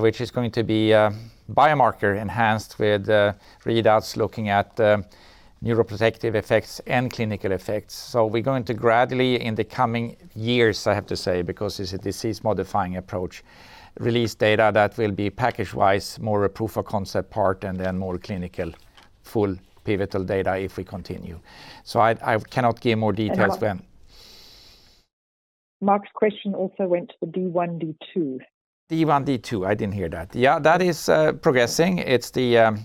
which is going to be a biomarker enhanced with readouts looking at neuroprotective effects and clinical effects. We're going to gradually in the coming years, I have to say, because it's a disease-modifying approach, release data that will be package-wise, more a proof of concept part, and then more clinical full pivotal data if we continue. I cannot give more details then. Mark's question also went to the D1/D2. D1/D2. I didn't hear that. Yeah, that is progressing. It's the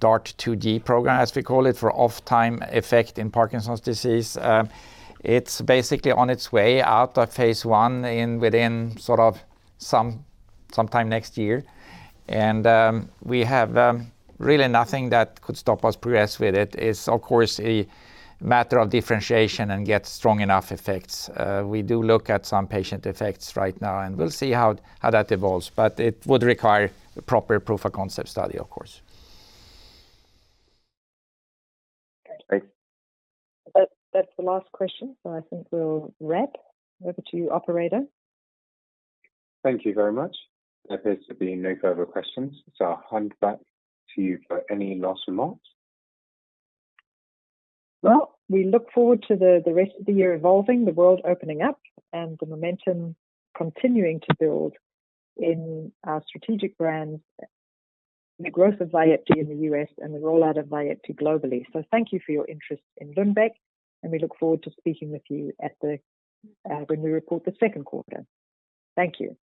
DART 2G program, as we call it, for off-time effect in Parkinson's disease. It's basically on its way out of phase I within sort of sometime next year. We have really nothing that could stop us progress with it. It's of course a matter of differentiation and get strong enough effects. We do look at some patient effects right now, and we'll see how that evolves. It would require a proper proof of concept study, of course. Great. That's the last question. I think we'll wrap. Over to you, Operator. Thank you very much. There appears to be no further questions, so I'll hand back to you for any last remarks. Well, we look forward to the rest of the year evolving, the world opening up, and the momentum continuing to build in our strategic brands, the growth of VYEPTI in the U.S., and the rollout of VYEPTI globally. Thank you for your interest in Lundbeck, and we look forward to speaking with you when we report the second quarter. Thank you.